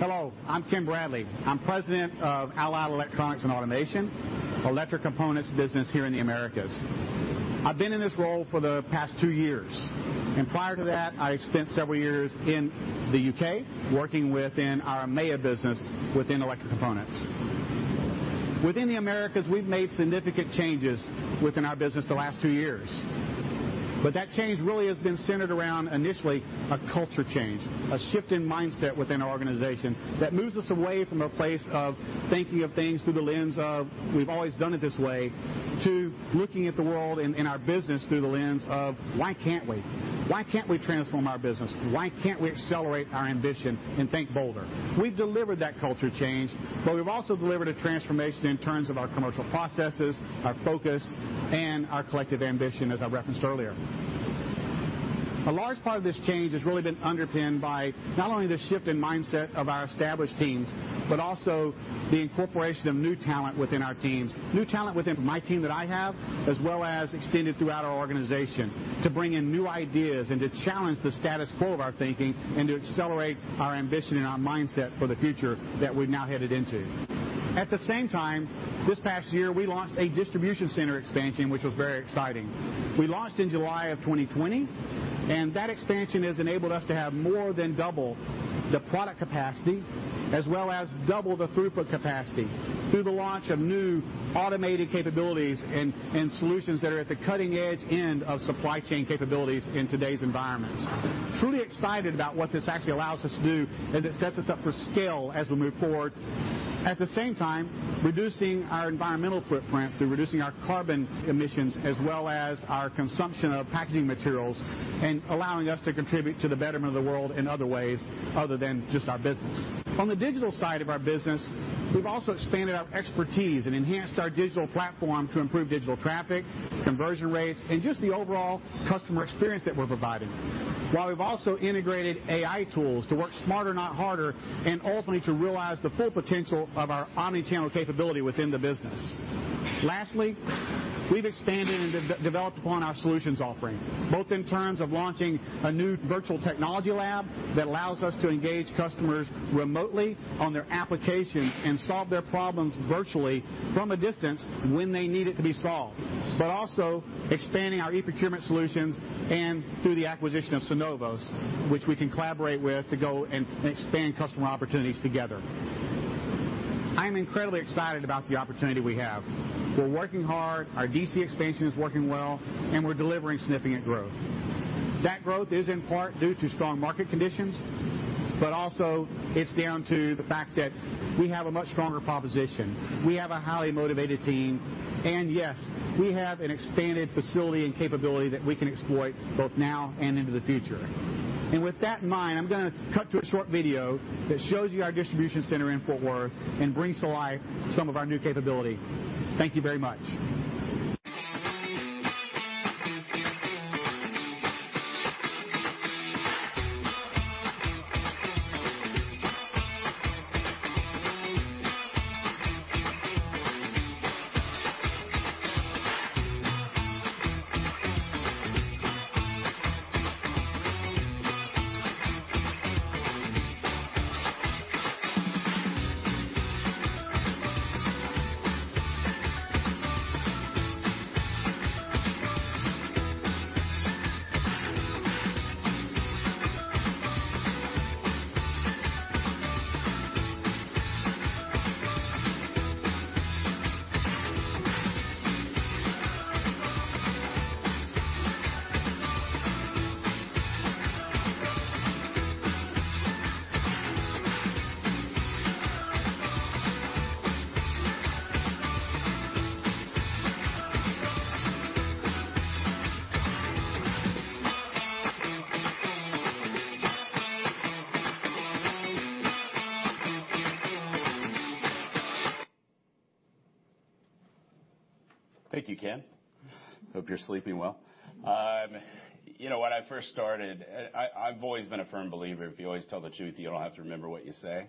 S4: Hello, I'm Ken Bradley. I'm President of Allied Electronics & Automation, Electrocomponents business here in the Americas. I've been in this role for the past two years, and prior to that, I spent several years in the U.K. working within our EMEA business within Electrocomponents. Within the Americas, we've made significant changes within our business the last two years, but that change really has been centered around, initially, a culture change, a shift in mindset within our organization that moves us away from a place of thinking of things through the lens of we've always done it this way to looking at the world and our business through the lens of, "Why can't we? Why can't we transform our business? Why can't we accelerate our ambition and think bolder?" We've delivered that culture change, but we've also delivered a transformation in terms of our commercial processes, our focus, and our collective ambition, as I referenced earlier. A large part of this change has really been underpinned by not only the shift in mindset of our established teams but also the incorporation of new talent within our teams. New talent within my team that I have, as well as extended throughout our organization to bring in new ideas and to challenge the status quo of our thinking and to accelerate our ambition and our mindset for the future that we're now headed into. At the same time, this past year, we launched a distribution center expansion, which was very exciting. We launched in July 2020, and that expansion has enabled us to have more than double the product capacity, as well as double the throughput capacity through the launch of new automated capabilities and solutions that are at the cutting-edge end of supply chain capabilities in today's environments. Truly excited about what this actually allows us to do, as it sets us up for scale as we move forward at the same time, reducing our environmental footprint through reducing our carbon emissions as well as our consumption of packaging materials and allowing us to contribute to the betterment of the world in other ways other than just our business. On the digital side of our business, we've also expanded our expertise and enhanced our digital platform to improve digital traffic, conversion rates, and just the overall customer experience that we're providing. While we've also integrated AI tools to work smarter, not harder, and ultimately to realize the full potential of our omni-channel capability within the business. Lastly, we've expanded and developed upon our solutions offering, both in terms of launching a new virtual technology lab that allows us to engage customers remotely on their applications and solve their problems virtually from a distance when they need it to be solved. Also expanding our e-procurement solutions and through the acquisition of Synovos, which we can collaborate with to go and expand customer opportunities together. I'm incredibly excited about the opportunity we have. We're working hard, our DC expansion is working well, and we're delivering significant growth. That growth is in part due to strong market conditions, but also it's down to the fact that we have a much stronger proposition. We have a highly motivated team, and yes, we have an expanded facility and capability that we can exploit both now and into the future. With that in mind, I'm gonna cut to a short video that shows you our distribution center in Fort Worth and brings to life some of our new capability. Thank you very much.
S1: Thank you, Ken. Hope you're sleeping well. You know, when I first started, I've always been a firm believer if you always tell the truth, you don't have to remember what you say.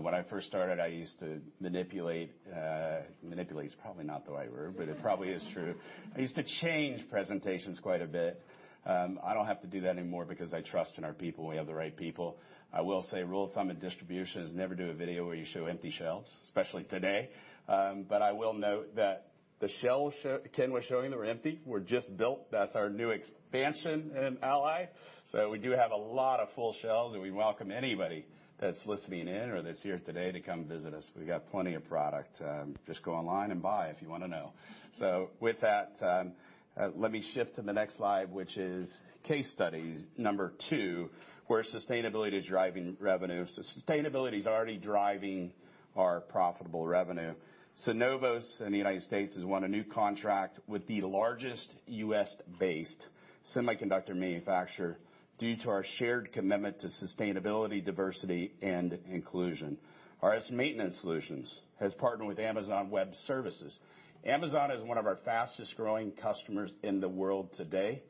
S1: When I first started, I used to manipulate is probably not the right word, but it probably is true. I used to change presentations quite a bit. I don't have to do that anymore because I trust in our people. We have the right people. I will say rule of thumb in distribution is never do a video where you show empty shelves, especially today. I will note that the shelves Ken was showing that were empty were just built. That's our new expansion in Allied. We do have a lot of full shelves, and we welcome anybody that's listening in or that's here today to come visit us. We got plenty of product. Just go online and buy if you wanna know. With that, let me shift to the next slide, which is case studies number two, where sustainability is driving revenue. Sustainability is already driving our profitable revenue. Synovos in the United States has won a new contract with the largest U.S.-based semiconductor manufacturer due to our shared commitment to sustainability, diversity, and inclusion. RS Maintenance Solutions has partnered with Amazon Web Services. Amazon is one of our fastest-growing customers in the world today.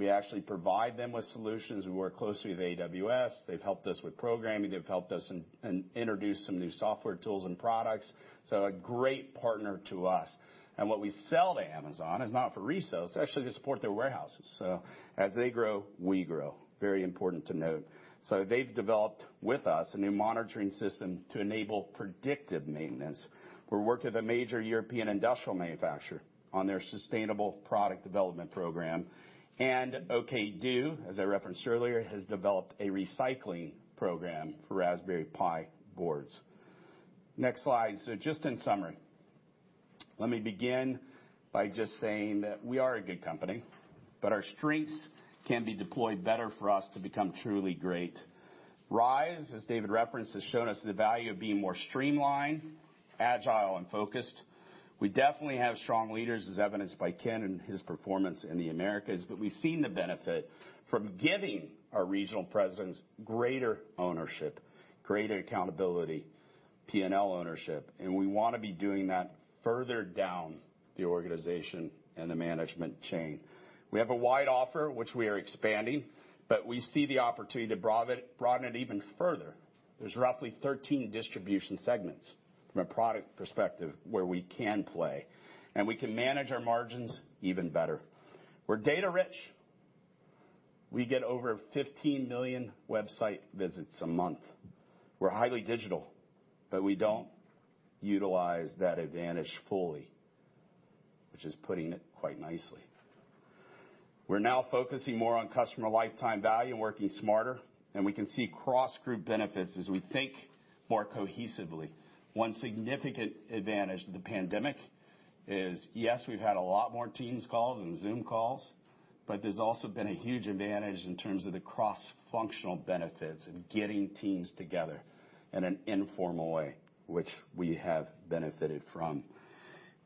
S1: We actually provide them with solutions. We work closely with AWS. They've helped us with programming. They've helped us in introduce some new software tools and products. A great partner to us. What we sell to Amazon is not for resale, it's actually to support their warehouses. As they grow, we grow. Very important to note. They've developed with us a new monitoring system to enable predictive maintenance. We're working with a major European industrial manufacturer on their sustainable product development program. OKdo, as I referenced earlier, has developed a recycling program for Raspberry Pi boards. Next slide. Just in summary, let me begin by just saying that we are a good company, but our strengths can be deployed better for us to become truly great. RISE, as David referenced, has shown us the value of being more streamlined, agile, and focused. We definitely have strong leaders, as evidenced by Ken and his performance in the Americas, but we've seen the benefit from giving our regional presidents greater ownership, greater accountability, P&L ownership, and we wanna be doing that further down the organization and the management chain. We have a wide offer, which we are expanding, but we see the opportunity to broaden it even further. There's roughly 13 distribution segments from a product perspective where we can play, and we can manage our margins even better. We're data rich. We get over 15 million website visits a month. We're highly digital, but we don't utilize that advantage fully, which is putting it quite nicely. We're now focusing more on customer lifetime value and working smarter, and we can see cross-group benefits as we think more cohesively. One significant advantage of the pandemic is, yes, we've had a lot more Teams calls and Zoom calls, but there's also been a huge advantage in terms of the cross-functional benefits and getting teams together in an informal way, which we have benefited from.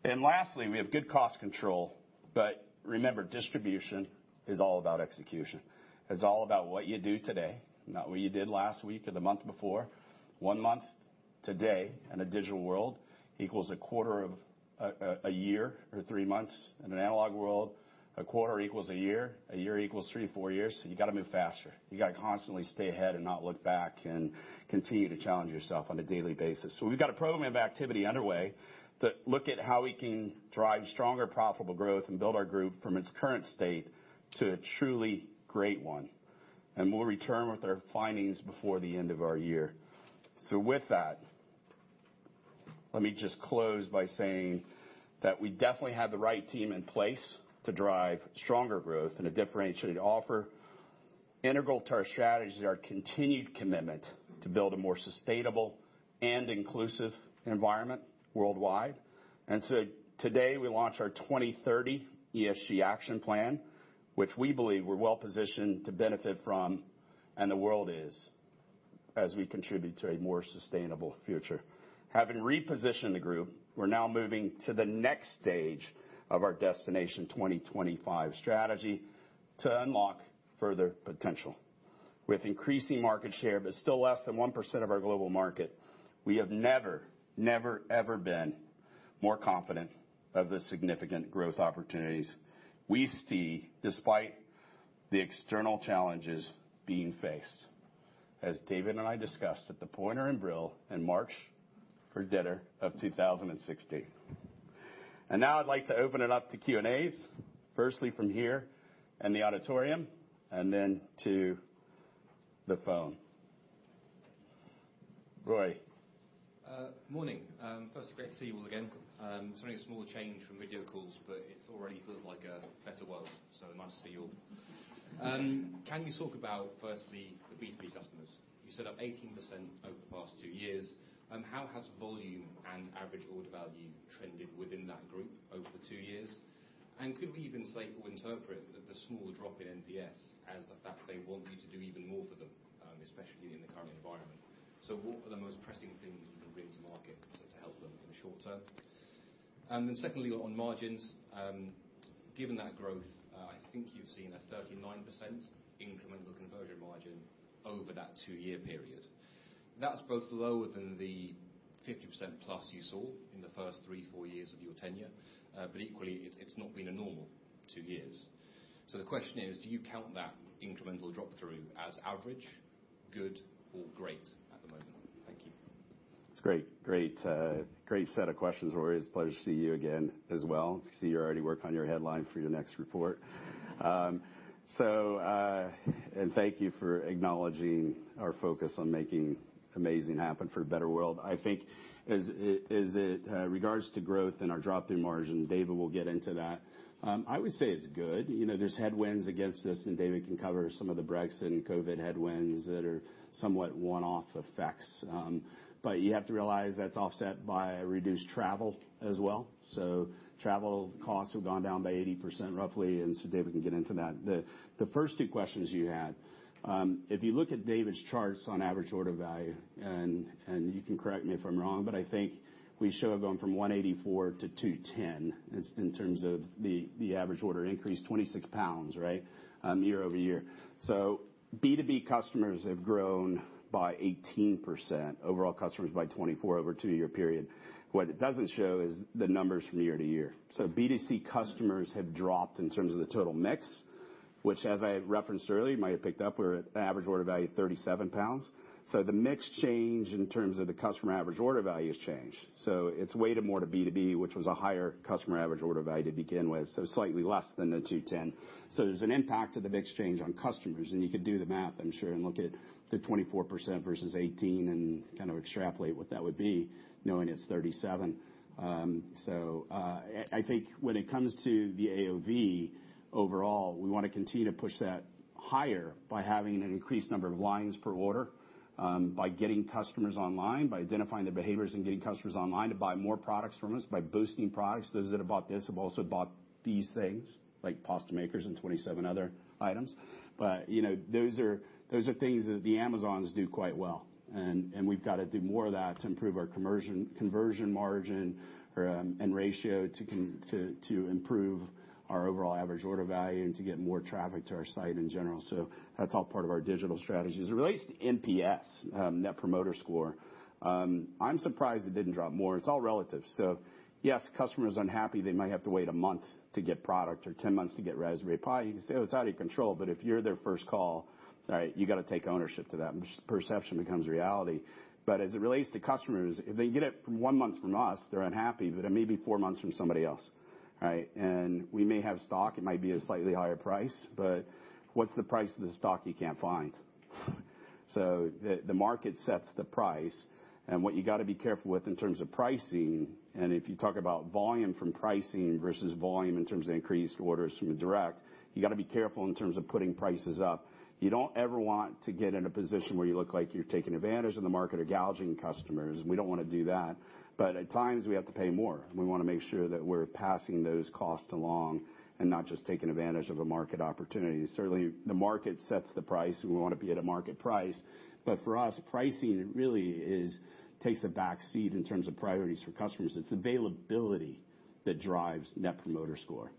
S1: Lastly, we have good cost control, but remember, distribution is all about execution. It's all about what you do today, not what you did last week or the month before. One month today in a digital world equals a quarter of a year or three months. In an analog world, a quarter equals a year, a year equals three to four years. So you gotta move faster. You gotta constantly stay ahead and not look back and continue to challenge yourself on a daily basis. We've got a program of activity underway that look at how we can drive stronger profitable growth and build our group from its current state to a truly great one. We'll return with our findings before the end of our year. With that, let me just close by saying that we definitely have the right team in place to drive stronger growth and a differentiated offer. Integral to our strategy is our continued commitment to build a more sustainable and inclusive environment worldwide. Today we launch our 2030 ESG action plan, which we believe we're well-positioned to benefit from, and the world is, as we contribute to a more sustainable future. Having repositioned the group, we're now moving to the next stage of our Destination 2025 strategy to unlock further potential. With increasing market share, but still less than 1% of our global market, we have never ever been more confident of the significant growth opportunities we see despite the external challenges being faced. As David and I discussed at the Pointer, Brill in March 2020. Now I'd like to open it up to Q&As, firstly from here in the auditorium and then to the phone. Roy?
S5: Morning. First, great to see you all again. It's only a small change from video calls, but it already feels like a better world, so nice to see you all. Can you talk about, firstly, the B2B customers? You said up 18% over the past two years. How has volume and average order value trended within that group over two years? Could we even say or interpret the small drop in NPS as the fact they want you to do even more for them, especially in the current environment? What are the most pressing things you can bring to market to help them in the short term? Then secondly, on margins, given that growth, I think you've seen a 39% incremental conversion margin over that two-year period. That's both lower than the 50%+ you saw in the first three or four years of your tenure, but equally, it's not been a normal two years. The question is, do you count that incremental drop-through as average, good or great at the moment? Thank you.
S1: It's great. Great set of questions, Roy. It's a pleasure to see you again as well. I see you already worked on your headline for your next report. Thank you for acknowledging our focus on making amazing happen For a Better World. I think as it regards to growth and our drop-through margin, David will get into that. I would say it's good. You know, there's headwinds against us, and David can cover some of the Brexit and COVID headwinds that are somewhat one-off effects. You have to realize that's offset by reduced travel as well. Travel costs have gone down by 80%, roughly, and David can get into that. The first two questions you had, if you look at David's charts on average order value, and you can correct me if I'm wrong, but I think we show it going from 184-210 in terms of the average order increase, 26 pounds, right, year-over-year. B2B customers have grown by 18%, overall customers by 24% over a two-year period. What it doesn't show is the numbers from year-to-year. B2C customers have dropped in terms of the total mix, which as I referenced earlier, you might have picked up, we're at average order value of 37 pounds. The mix change in terms of the customer average order value has changed. It's weighted more to B2B, which was a higher customer average order value to begin with, slightly less than the 210. There's an impact to the mix change on customers, and you could do the math, I'm sure, and look at the 24% versus 18% and kind of extrapolate what that would be, knowing it's 37%. I think when it comes to the AOV overall, we wanna continue to push that higher by having an increased number of lines per order, by getting customers online, by identifying the behaviors and getting customers online to buy more products from us, by boosting products. Those that have bought this have also bought these things, like pasta makers and 27 other items. You know, those are things that the Amazons do quite well, and we've got to do more of that to improve our conversion margin and ratio to improve our overall average order value and to get more traffic to our site in general. That's all part of our digital strategy. As it relates to NPS, net promoter score, I'm surprised it didn't drop more. It's all relative. Yes, customer's unhappy they might have to wait a month to get product or 10 months to get Raspberry Pi. You can say, "Oh, it's out of your control," but if you're their first call, right, you got to take ownership of that. Perception becomes reality. As it relates to customers, if they get it one month from us, they're unhappy, but it may be four months from somebody else, right? We may have stock, it might be a slightly higher price, but what's the price of the stock you can't find? The market sets the price, and what you gotta be careful with in terms of pricing, and if you talk about volume from pricing versus volume in terms of increased orders from direct, you gotta be careful in terms of putting prices up. You don't ever want to get in a position where you look like you're taking advantage of the market or gouging customers. We don't wanna do that. At times, we have to pay more, and we wanna make sure that we're passing those costs along and not just taking advantage of a market opportunity. Certainly, the market sets the price, and we wanna be at a market price. But for us, pricing really is, takes a back seat in terms of priorities for customers. It's availability that drives net promoter score.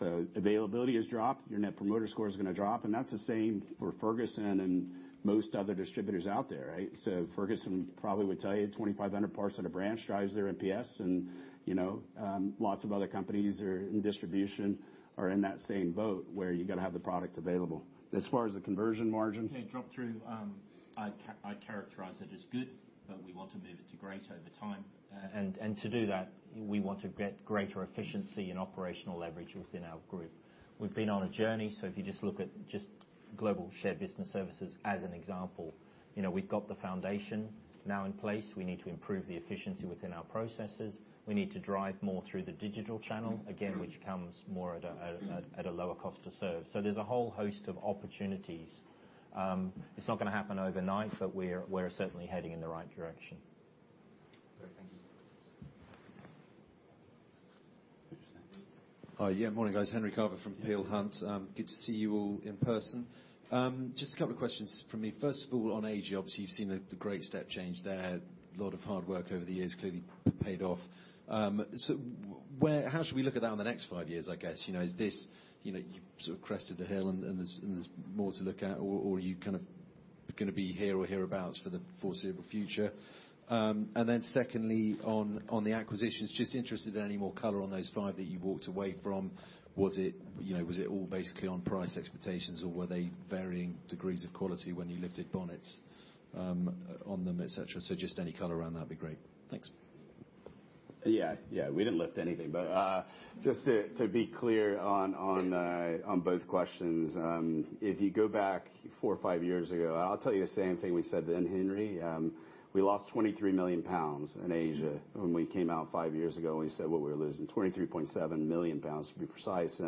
S1: Availability is dropped, your net promoter score is gonna drop, and that's the same for Ferguson and most other distributors out there, right? Ferguson probably would tell you 2,500 parts at a branch drives their NPS and, you know, lots of other companies are in distribution are in that same boat where you gotta have the product available. As far as the conversion margin.
S2: Yeah, drop-through. I'd characterize it as good, but we want to move it to great over time. To do that, we want to get greater efficiency and operational leverage within our group. We've been on a journey, so if you look at global shared business services as an example, you know, we've got the foundation now in place. We need to improve the efficiency within our processes. We need to drive more through the digital channel, again, which comes more at a lower cost to serve. There's a whole host of opportunities. It's not gonna happen overnight, but we're certainly heading in the right direction.
S5: Great. Thank you.
S1: Thanks.
S6: Hi. Yeah, morning, guys. Henry Carver from Peel Hunt. Good to see you all in person. Just a couple of questions from me. First of all, on APAC, obviously, you've seen the great step change there. A lot of hard work over the years clearly paid off. How should we look at that in the next five years, I guess? You know, is this, you know, you sort of crested the hill and there's more to look at or are you kind of gonna be here or hereabouts for the foreseeable future? And then secondly, on the acquisitions, just interested in any more color on those five that you walked away from. Was it, you know, was it all basically on price expectations, or were they varying degrees of quality when you lifted bonnets, on them, et cetera? Just any color around that'd be great. Thanks.
S1: Yeah. Yeah, we didn't lift anything. Just to be clear on both questions, if you go back four or five years ago, I'll tell you the same thing we said then, Henry. We lost 23 million pounds in Asia when we came out five years ago, and we said what we were losing, 23.7 million pounds to be precise.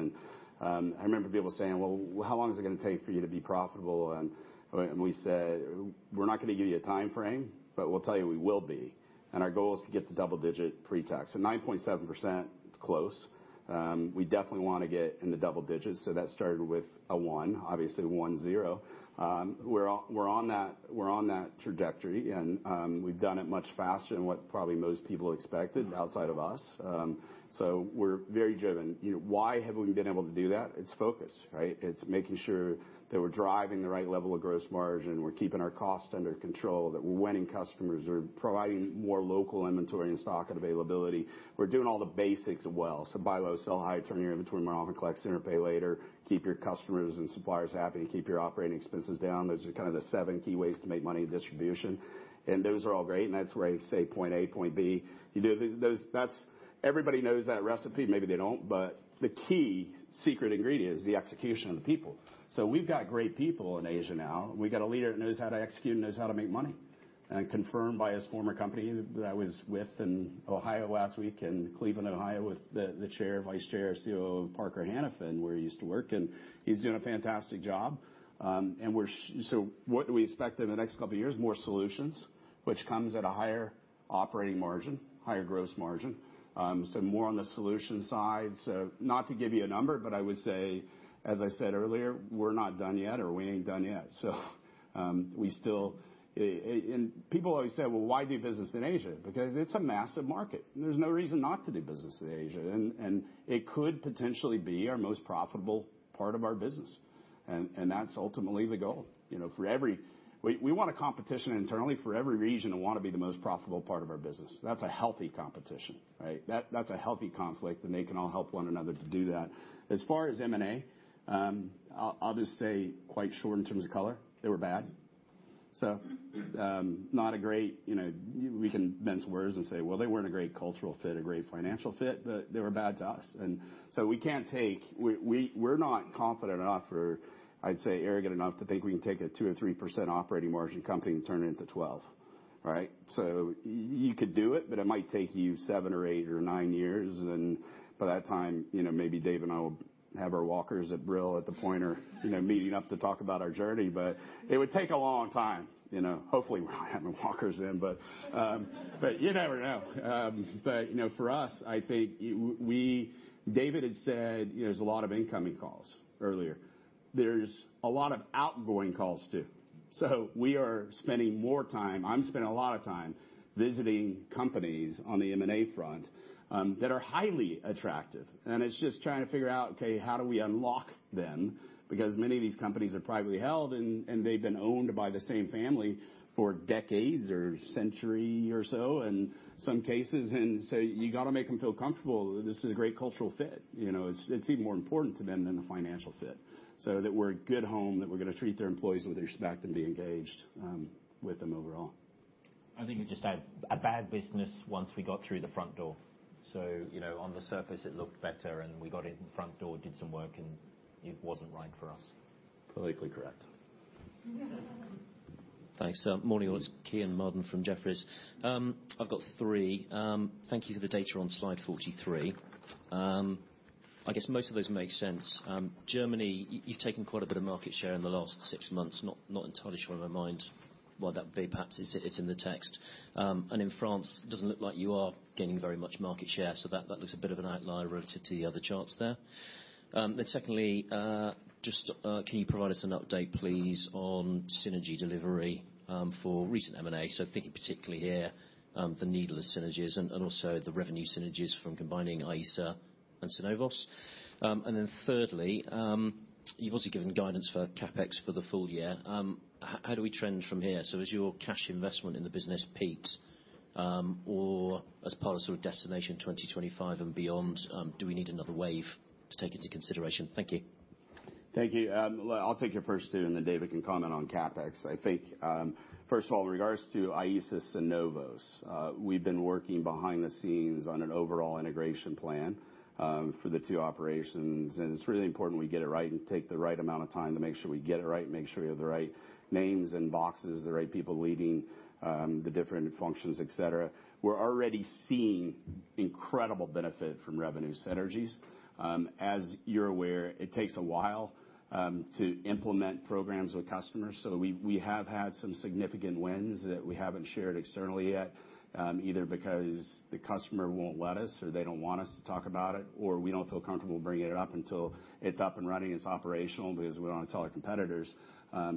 S1: I remember people saying, "Well, how long is it gonna take for you to be profitable?" and we said, "We're not gonna give you a timeframe, but we'll tell you we will be, and our goal is to get to double-digit pre-tax." 9.7%, it's close. We definitely wanna get in the double digits, so that started with a one, obviously 10. We're on that trajectory, and we've done it much faster than what probably most people expected outside of us. We're very driven. You know, why have we been able to do that? It's focus, right? It's making sure that we're driving the right level of gross margin, we're keeping our costs under control, that we're winning customers, we're providing more local inventory and stock and availability. We're doing all the basics well. Buy low, sell high, turn your inventory more often, collect sooner, pay later, keep your customers and suppliers happy, keep your operating expenses down. Those are kind of the seven key ways to make money in distribution, and those are all great, and that's where I say point A, point B. You know, everybody knows that recipe. Maybe they don't, but the key secret ingredient is the execution of the people. We've got great people in Asia now. We've got a leader that knows how to execute and knows how to make money. Confirmed by his former company that I was with in Ohio last week, in Cleveland, Ohio, with the chair, vice chair, CEO of Parker-Hannifin, where he used to work, and he's doing a fantastic job. What do we expect in the next couple of years? More solutions, which comes at a higher operating margin, higher gross margin. More on the solution side. Not to give you a number, but I would say, as I said earlier, we're not done yet or we ain't done yet. We still... People always say, "Well, why do business in Asia?" Because it's a massive market, and there's no reason not to do business in Asia. It could potentially be our most profitable part of our business. That's ultimately the goal. You know, we want a competition internally for every region and wanna be the most profitable part of our business. That's a healthy competition, right? That's a healthy conflict, and they can all help one another to do that. As far as M&A, I'll just say quite short in terms of color, they were bad. Not a great, you know. We can mince words and say, "Well, they weren't a great cultural fit, a great financial fit," but they were bad to us. We're not confident enough or, I'd say, arrogant enough to think we can take a 2%-3% operating margin company and turn it into 12%, right? You could do it, but it might take you seven, eight or nine years, and by that time, you know, maybe Dave and I will have our walkers at The Pointer at Brill or, you know, meeting up to talk about our journey. It would take a long time, you know. Hopefully, we're not having walkers then, but you never know. You know, for us, I think we. David had said, you know, there's a lot of incoming calls earlier. There's a lot of outgoing calls, too. We are spending more time. I'm spending a lot of time visiting companies on the M&A front that are highly attractive. It's just trying to figure out, okay, how do we unlock them? Because many of these companies are privately held, and they've been owned by the same family for decades or a century or so in some cases. You gotta make them feel comfortable. This is a great cultural fit, you know. It's even more important to them than the financial fit. We're a good home, that we're gonna treat their employees with respect and be engaged with them overall.
S2: I think it's just a bad business once we got through the front door. You know, on the surface, it looked better, and we got in the front door, did some work, and it wasn't right for us.
S1: Completely correct.
S7: Thanks. Morning all, it's Kean Marden from Jefferies. I've got three. Thank you for the data on slide 43. I guess most of those make sense. Germany, you've taken quite a bit of market share in the last six months, not entirely sure in my mind what that would be. Perhaps it's in the text. In France, it doesn't look like you are gaining very much market share, so that looks a bit of an outlier relative to the other charts there. Secondly, can you provide us an update, please, on synergy delivery for recent M&A? So thinking particularly here, the Needlers synergies and also the revenue synergies from combining IESA and Synovos. Thirdly, you've also given guidance for CapEx for the full-year. How do we trend from here? Has your cash investment in the business peaked, or as part of sort of Destination 2025 and beyond, do we need another wave to take into consideration? Thank you.
S1: Thank you. Well, I'll take your first two, and then David can comment on CapEx. I think, first of all, in regards to IESA Synovos, we've been working behind the scenes on an overall integration plan, for the two operations. It's really important we get it right and take the right amount of time to make sure we get it right and make sure we have the right names and boxes, the right people leading, the different functions, et cetera. We're already seeing incredible benefit from revenue synergies. As you're aware, it takes a while, to implement programs with customers. We have had some significant wins that we haven't shared externally yet, either because the customer won't let us, or they don't want us to talk about it, or we don't feel comfortable bringing it up until it's up and running, it's operational, because we don't wanna tell our competitors,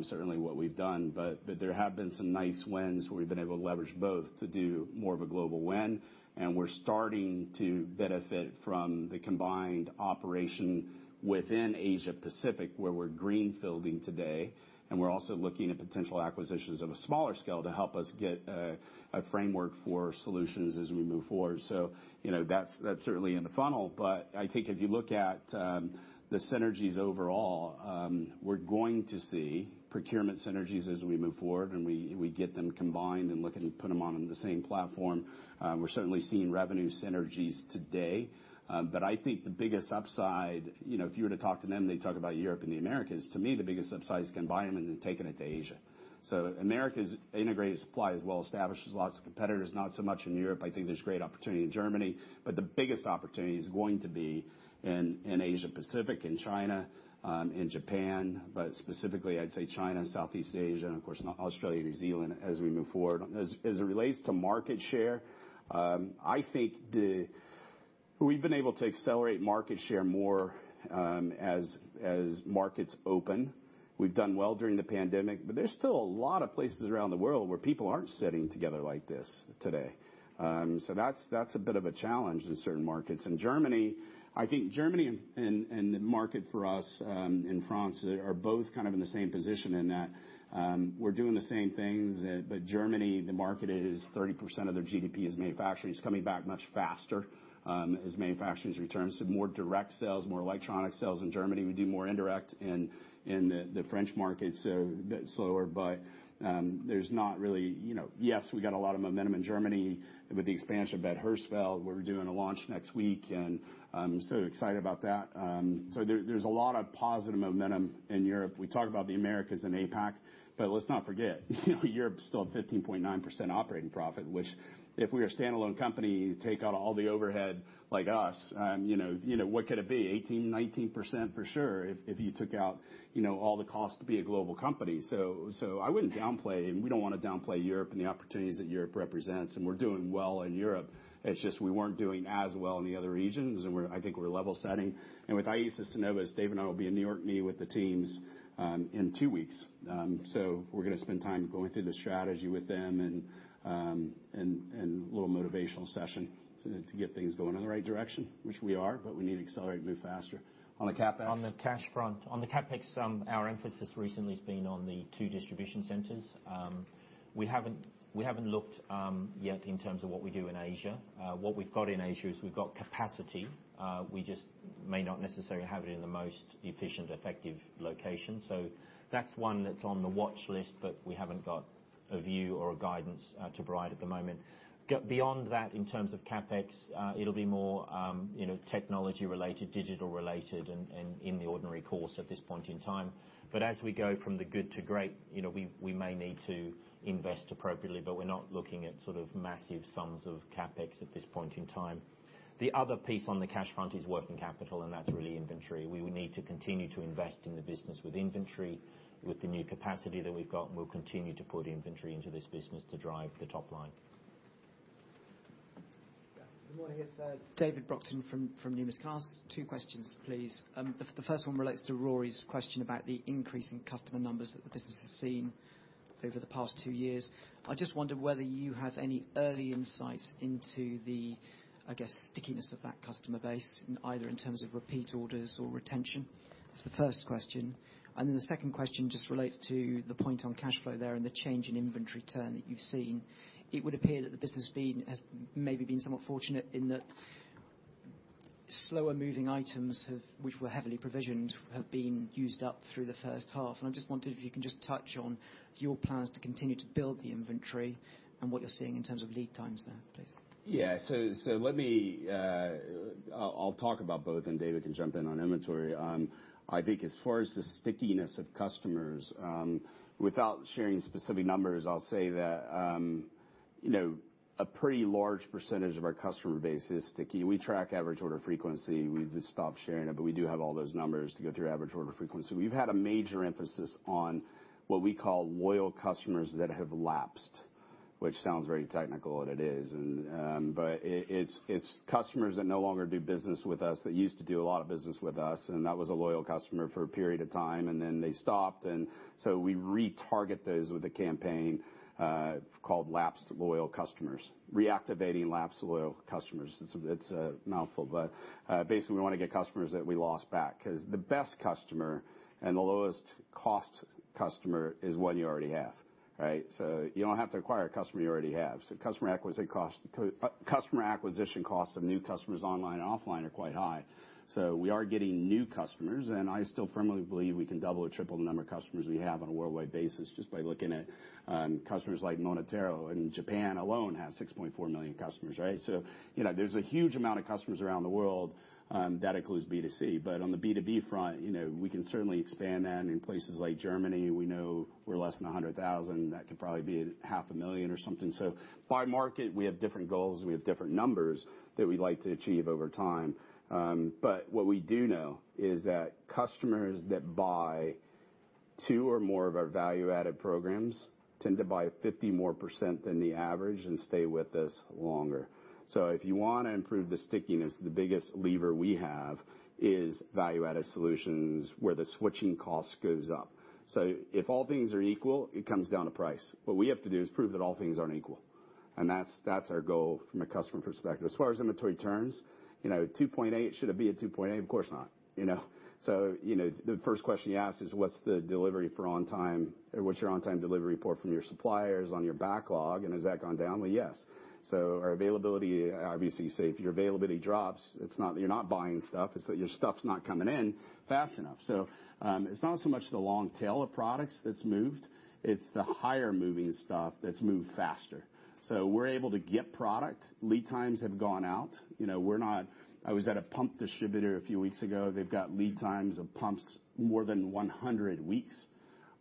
S1: certainly what we've done. There have been some nice wins where we've been able to leverage both to do more of a global win, and we're starting to benefit from the combined operation within Asia-Pacific, where we're green-fielding today, and we're also looking at potential acquisitions of a smaller scale to help us get a framework for solutions as we move forward. You know, that's certainly in the funnel. I think if you look at the synergies overall, we're going to see procurement synergies as we move forward, and we get them combined and look at putting them on the same platform. We're certainly seeing revenue synergies today. I think the biggest upside, you know, if you were to talk to them, they'd talk about Europe and the Americas. To me, the biggest upside is combining them and taking it to Asia. America's integrated supply is well established. There's lots of competitors, not so much in Europe. I think there's great opportunity in Germany, but the biggest opportunity is going to be in Asia-Pacific, in China, in Japan, but specifically I'd say China and Southeast Asia and of course Australia, New Zealand as we move forward. As it relates to market share, I think we've been able to accelerate market share more as markets open. We've done well during the pandemic, but there's still a lot of places around the world where people aren't sitting together like this today. So that's a bit of a challenge in certain markets. In Germany, I think Germany and the market for us in France are both kind of in the same position in that we're doing the same things. But Germany, the market is 30% of their GDP is manufacturing. It's coming back much faster as manufacturing returns to more direct sales, more electronic sales in Germany. We do more indirect in the French markets, so a bit slower, but there's not really, you know. Yes, we've got a lot of momentum in Germany with the expansion of Bad Hersfeld. We're doing a launch next week, and I'm sort of excited about that. There's a lot of positive momentum in Europe. We talk about the Americas and APAC, but let's not forget, you know, Europe is still at 15.9% operating profit, which, if we are a standalone company, take out all the overhead like us, you know, what could it be? 18%, 19% for sure if you took out, you know, all the costs to be a global company. I wouldn't downplay, and we don't wanna downplay Europe and the opportunities that Europe represents, and we're doing well in Europe. It's just we weren't doing as well in the other regions, and I think we're level setting. With IESA Synovos, Dave and I will be in New York meeting with the teams in 2 weeks. We're gonna spend time going through the strategy with them and a little motivational session to get things going in the right direction, which we are, but we need to accelerate and move faster. On the CapEx?
S2: On the cash front. On the CapEx, our emphasis recently has been on the two distribution centers. We haven't looked yet in terms of what we do in Asia. What we've got in Asia is we've got capacity. We just may not necessarily have it in the most efficient, effective location. That's one that's on the watchlist, but we haven't got a view or a guidance to provide at the moment. Beyond that, in terms of CapEx, it'll be more, you know, technology-related, digital-related and in the ordinary course at this point in time. But as we go from the good to great, you know, we may need to invest appropriately, but we're not looking at sort of massive sums of CapEx at this point in time. The other piece on the cash front is working capital, and that's really inventory. We will need to continue to invest in the business with inventory, with the new capacity that we've got, and we'll continue to put inventory into this business to drive the top line.
S8: Good morning. It's David Brockton from Numis. Two questions, please. The first one relates to Roy's question about the increase in customer numbers that the business has seen over the past two years. I just wondered whether you have any early insights into the, I guess, stickiness of that customer base, either in terms of repeat orders or retention. That's the first question. The second question just relates to the point on cash flow there and the change in inventory turn that you've seen. It would appear that the business has maybe been somewhat fortunate in that slower-moving items which were heavily provisioned have been used up through the first half. I just wondered if you can just touch on your plans to continue to build the inventory and what you're seeing in terms of lead times there, please.
S1: Yeah. So let me, I'll talk about both, and David can jump in on inventory. I think as far as the stickiness of customers, without sharing specific numbers, I'll say that, you know, a pretty large percentage of our customer base is sticky. We track average order frequency. We've just stopped sharing it, but we do have all those numbers to go through average order frequency. We've had a major emphasis on what we call loyal customers that have lapsed, which sounds very technical, and it is. It's customers that no longer do business with us, that used to do a lot of business with us, and that was a loyal customer for a period of time, and then they stopped. We retarget those with a campaign called Lapsed Loyal Customers. Reactivating Lapsed Loyal Customers. It's a mouthful, but basically, we want to get customers that we lost back because the best customer and the lowest cost customer is one you already have, right? You don't have to acquire a customer you already have. Customer acquisition costs of new customers online and offline are quite high. We are getting new customers, and I still firmly believe we can double or triple the number of customers we have on a worldwide basis just by looking at customers like MonotaRO, and Japan alone has 6.4 million customers, right? You know, there's a huge amount of customers around the world that includes B2C. On the B2B front, you know, we can certainly expand that in places like Germany. We know we're less than 100,000. That could probably be half a million or something. By market, we have different goals, and we have different numbers that we'd like to achieve over time. What we do know is that customers that buy two or more of our value-added programs tend to buy 50% more than the average and stay with us longer. If you wanna improve the stickiness, the biggest lever we have is value-added solutions where the switching cost goes up. If all things are equal, it comes down to price. What we have to do is prove that all things aren't equal, and that's our goal from a customer perspective. As far as inventory turns, you know, 2.8, should it be at 2.8? Of course not, you know? You know, the first question you ask is, what's the on-time delivery or what's your on-time delivery report from your suppliers on your backlog, and has that gone down? Well, yes. Our availability, obviously, say, if your availability drops, it's not that you're not buying stuff, it's that your stuff's not coming in fast enough. It's not so much the long tail of products that's moved, it's the higher moving stuff that's moved faster. We're able to get product. Lead times have gone out. You know, I was at a pump distributor a few weeks ago. They've got lead times of pumps more than 100 weeks.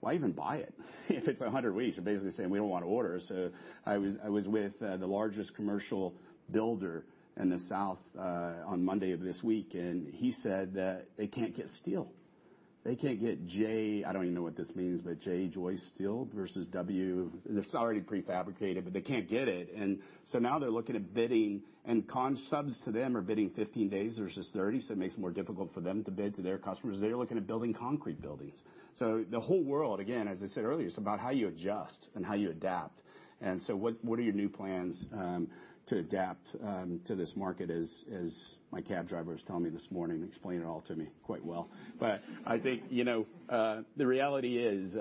S1: Why even buy it if it's 100 weeks? You're basically saying we don't want to order. I was with the largest commercial builder in the South on Monday of this week, and he said that they can't get steel. They can't get J joist steel versus W. I don't even know what this means, but it's already prefabricated, but they can't get it. Now they're looking at bidding, and con subs to them are bidding 15 days versus 30, so it makes it more difficult for them to bid to their customers. They're looking at building concrete buildings. The whole world, again, as I said earlier, it's about how you adjust and how you adapt. What are your new plans to adapt to this market as my cab driver was telling me this morning, explaining it all to me quite well? I think, you know, the reality is,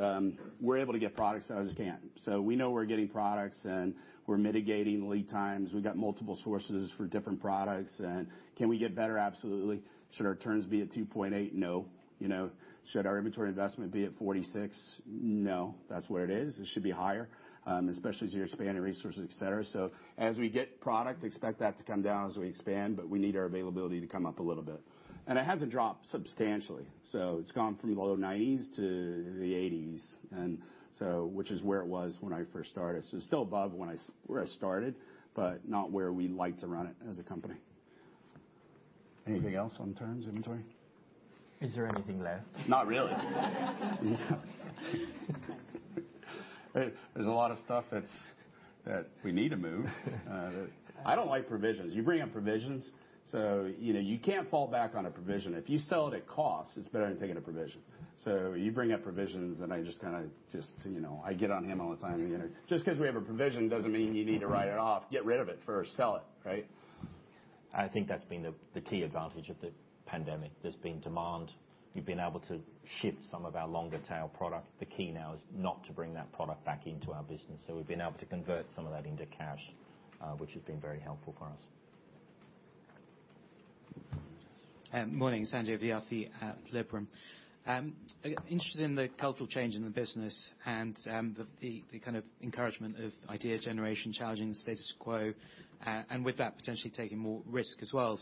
S1: we're able to get products that others can't. We know we're getting products and we're mitigating lead times. We've got multiple sources for different products. Can we get better? Absolutely. Should our turns be at 2.8? No. You know, should our inventory investment be at 46? No. That's where it is. It should be higher, especially as you expand your resources, et cetera. As we get product, expect that to come down as we expand, but we need our availability to come up a little bit. It hasn't dropped substantially. It's gone from the low 90s% to the 80s%, which is where it was when I first started. It's still above where I started, but not where we like to run it as a company. Anything else on terms, inventory?
S8: Is there anything left?
S1: Not really. There's a lot of stuff that we need to move. I don't like provisions. You bring up provisions. You know, you can't fall back on a provision. If you sell it at cost, it's better than taking a provision. You bring up provisions, and I just kinda just, you know I get on him all the time. You know, just 'cause we have a provision doesn't mean you need to write it off. Get rid of it first. Sell it, right?
S2: I think that's been the key advantage of the pandemic. There's been demand. We've been able to ship some of our long tail product. The key now is not to bring that product back into our business, so we've been able to convert some of that into cash, which has been very helpful for us.
S9: Morning. Sanjay Vidyarthi at Liberum. Interested in the cultural change in the business and the kind of encouragement of idea generation challenging the status quo, and with that, potentially taking more risk as well.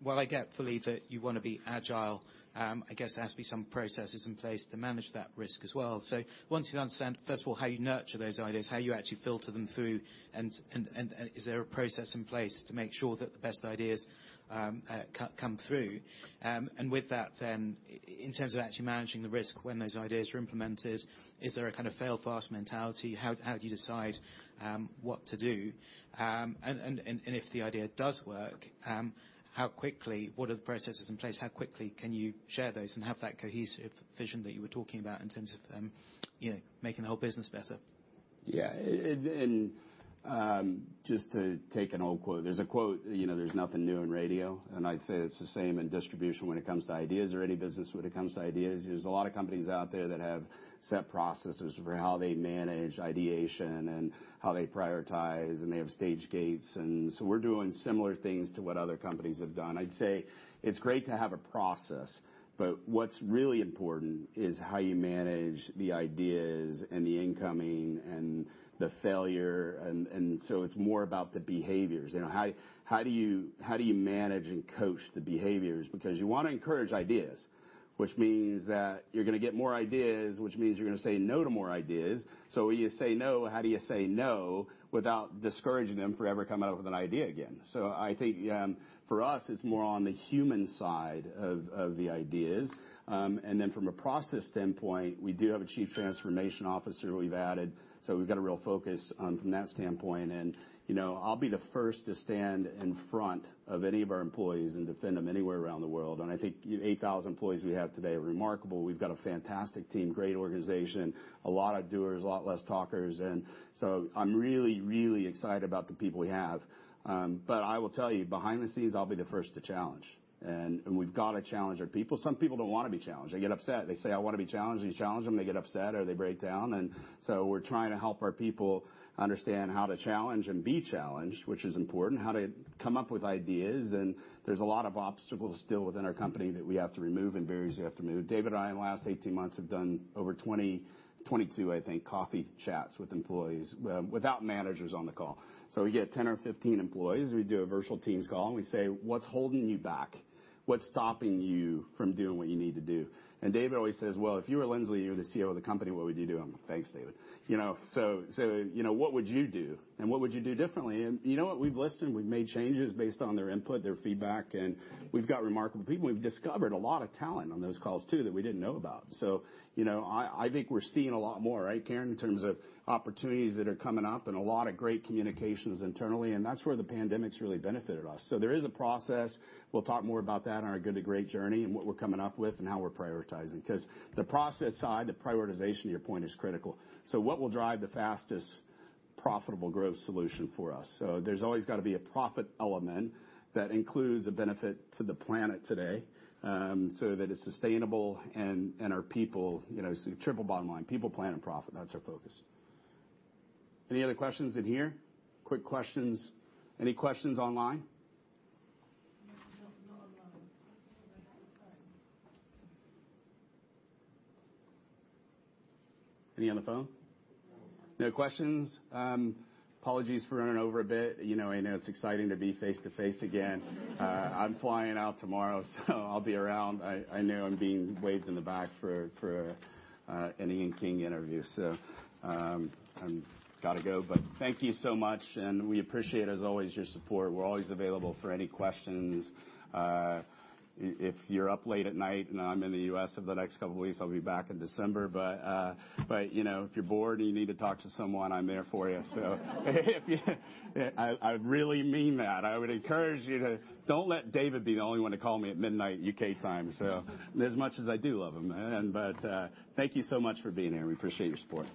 S9: While I get fully that you wanna be agile, I guess there has to be some processes in place to manage that risk as well. Want to understand, first of all, how you nurture those ideas, how you actually filter them through, and is there a process in place to make sure that the best ideas come through? With that, then in terms of actually managing the risk when those ideas are implemented, is there a kind of fail fast mentality? How do you decide what to do? If the idea does work, what are the processes in place, how quickly can you share those and have that cohesive vision that you were talking about in terms of, you know, making the whole business better?
S1: Just to take an old quote. There's a quote, you know, "There's nothing new in radio." I'd say it's the same in distribution when it comes to ideas or any business when it comes to ideas. There's a lot of companies out there that have set processes for how they manage ideation and how they prioritize, and they have stage gates. We're doing similar things to what other companies have done. I'd say it's great to have a process, but what's really important is how you manage the ideas and the incoming and the failure. It's more about the behaviors. You know, how do you manage and coach the behaviors? Because you wanna encourage ideas, which means that you're gonna get more ideas, which means you're gonna say no to more ideas. When you say no, how do you say no without discouraging them from ever coming up with an idea again? I think, for us, it's more on the human side of the ideas. And then from a process standpoint, we do have a chief transformation officer we've added, so we've got a real focus on from that standpoint. You know, I'll be the first to stand in front of any of our employees and defend them anywhere around the world. I think the 8,000 employees we have today are remarkable. We've got a fantastic team, great organization, a lot of doers, a lot less talkers. I'm really, really excited about the people we have. But I will tell you, behind the scenes, I'll be the first to challenge. We've got to challenge our people. Some people don't wanna be challenged. They get upset. They say, "I wanna be challenged." You challenge them, they get upset or they break down. We're trying to help our people understand how to challenge and be challenged, which is important, how to come up with ideas. There's a lot of obstacles still within our company that we have to remove and barriers we have to move. David and I, in the last 18 months, have done over 20, 22, I think, coffee chats with employees, without managers on the call. We get 10 or 15 employees, we do a virtual Teams call, and we say, "What's holding you back? What's stopping you from doing what you need to do?" David always says, "Well, if you were Lindsley and you were the CEO of the company, what would you do?" I say, "Thanks, David." You know, so, you know, "What would you do, and what would you do differently?" You know what? We've listened. We've made changes based on their input, their feedback. We've got remarkable people. We've discovered a lot of talent on those calls, too, that we didn't know about. You know, I think we're seeing a lot more, right, Karen? In terms of opportunities that are coming up and a lot of great communications internally, and that's where the pandemic's really benefited us. There is a process. We'll talk more about that on our good to great journey and what we're coming up with and how we're prioritizing. 'Cause the process side, the prioritization to your point is critical. What will drive the fastest profitable growth solution for us? There's always gotta be a profit element that includes a benefit to the planet today, so that it's sustainable and our people, you know, so triple bottom line, people, planet, and profit. That's our focus. Any other questions in here? Quick questions. Any questions online?
S10: No, not online.
S1: Anyone on the phone?
S10: No.
S1: No questions? Apologies for running over a bit. You know, I know it's exciting to be face-to-face again. I'm flying out tomorrow, so I'll be around. I know I'm being waved in the back for an Ian King interview. I gotta go, but thank you so much, and we appreciate, as always, your support. We're always available for any questions. If you're up late at night and I'm in the U.S. over the next couple of weeks, I'll be back in December. You know, if you're bored and you need to talk to someone, I'm there for you. I really mean that. Don't let David be the only one to call me at midnight U.K. time, as much as I do love him. Thank you so much for being here. We appreciate your support.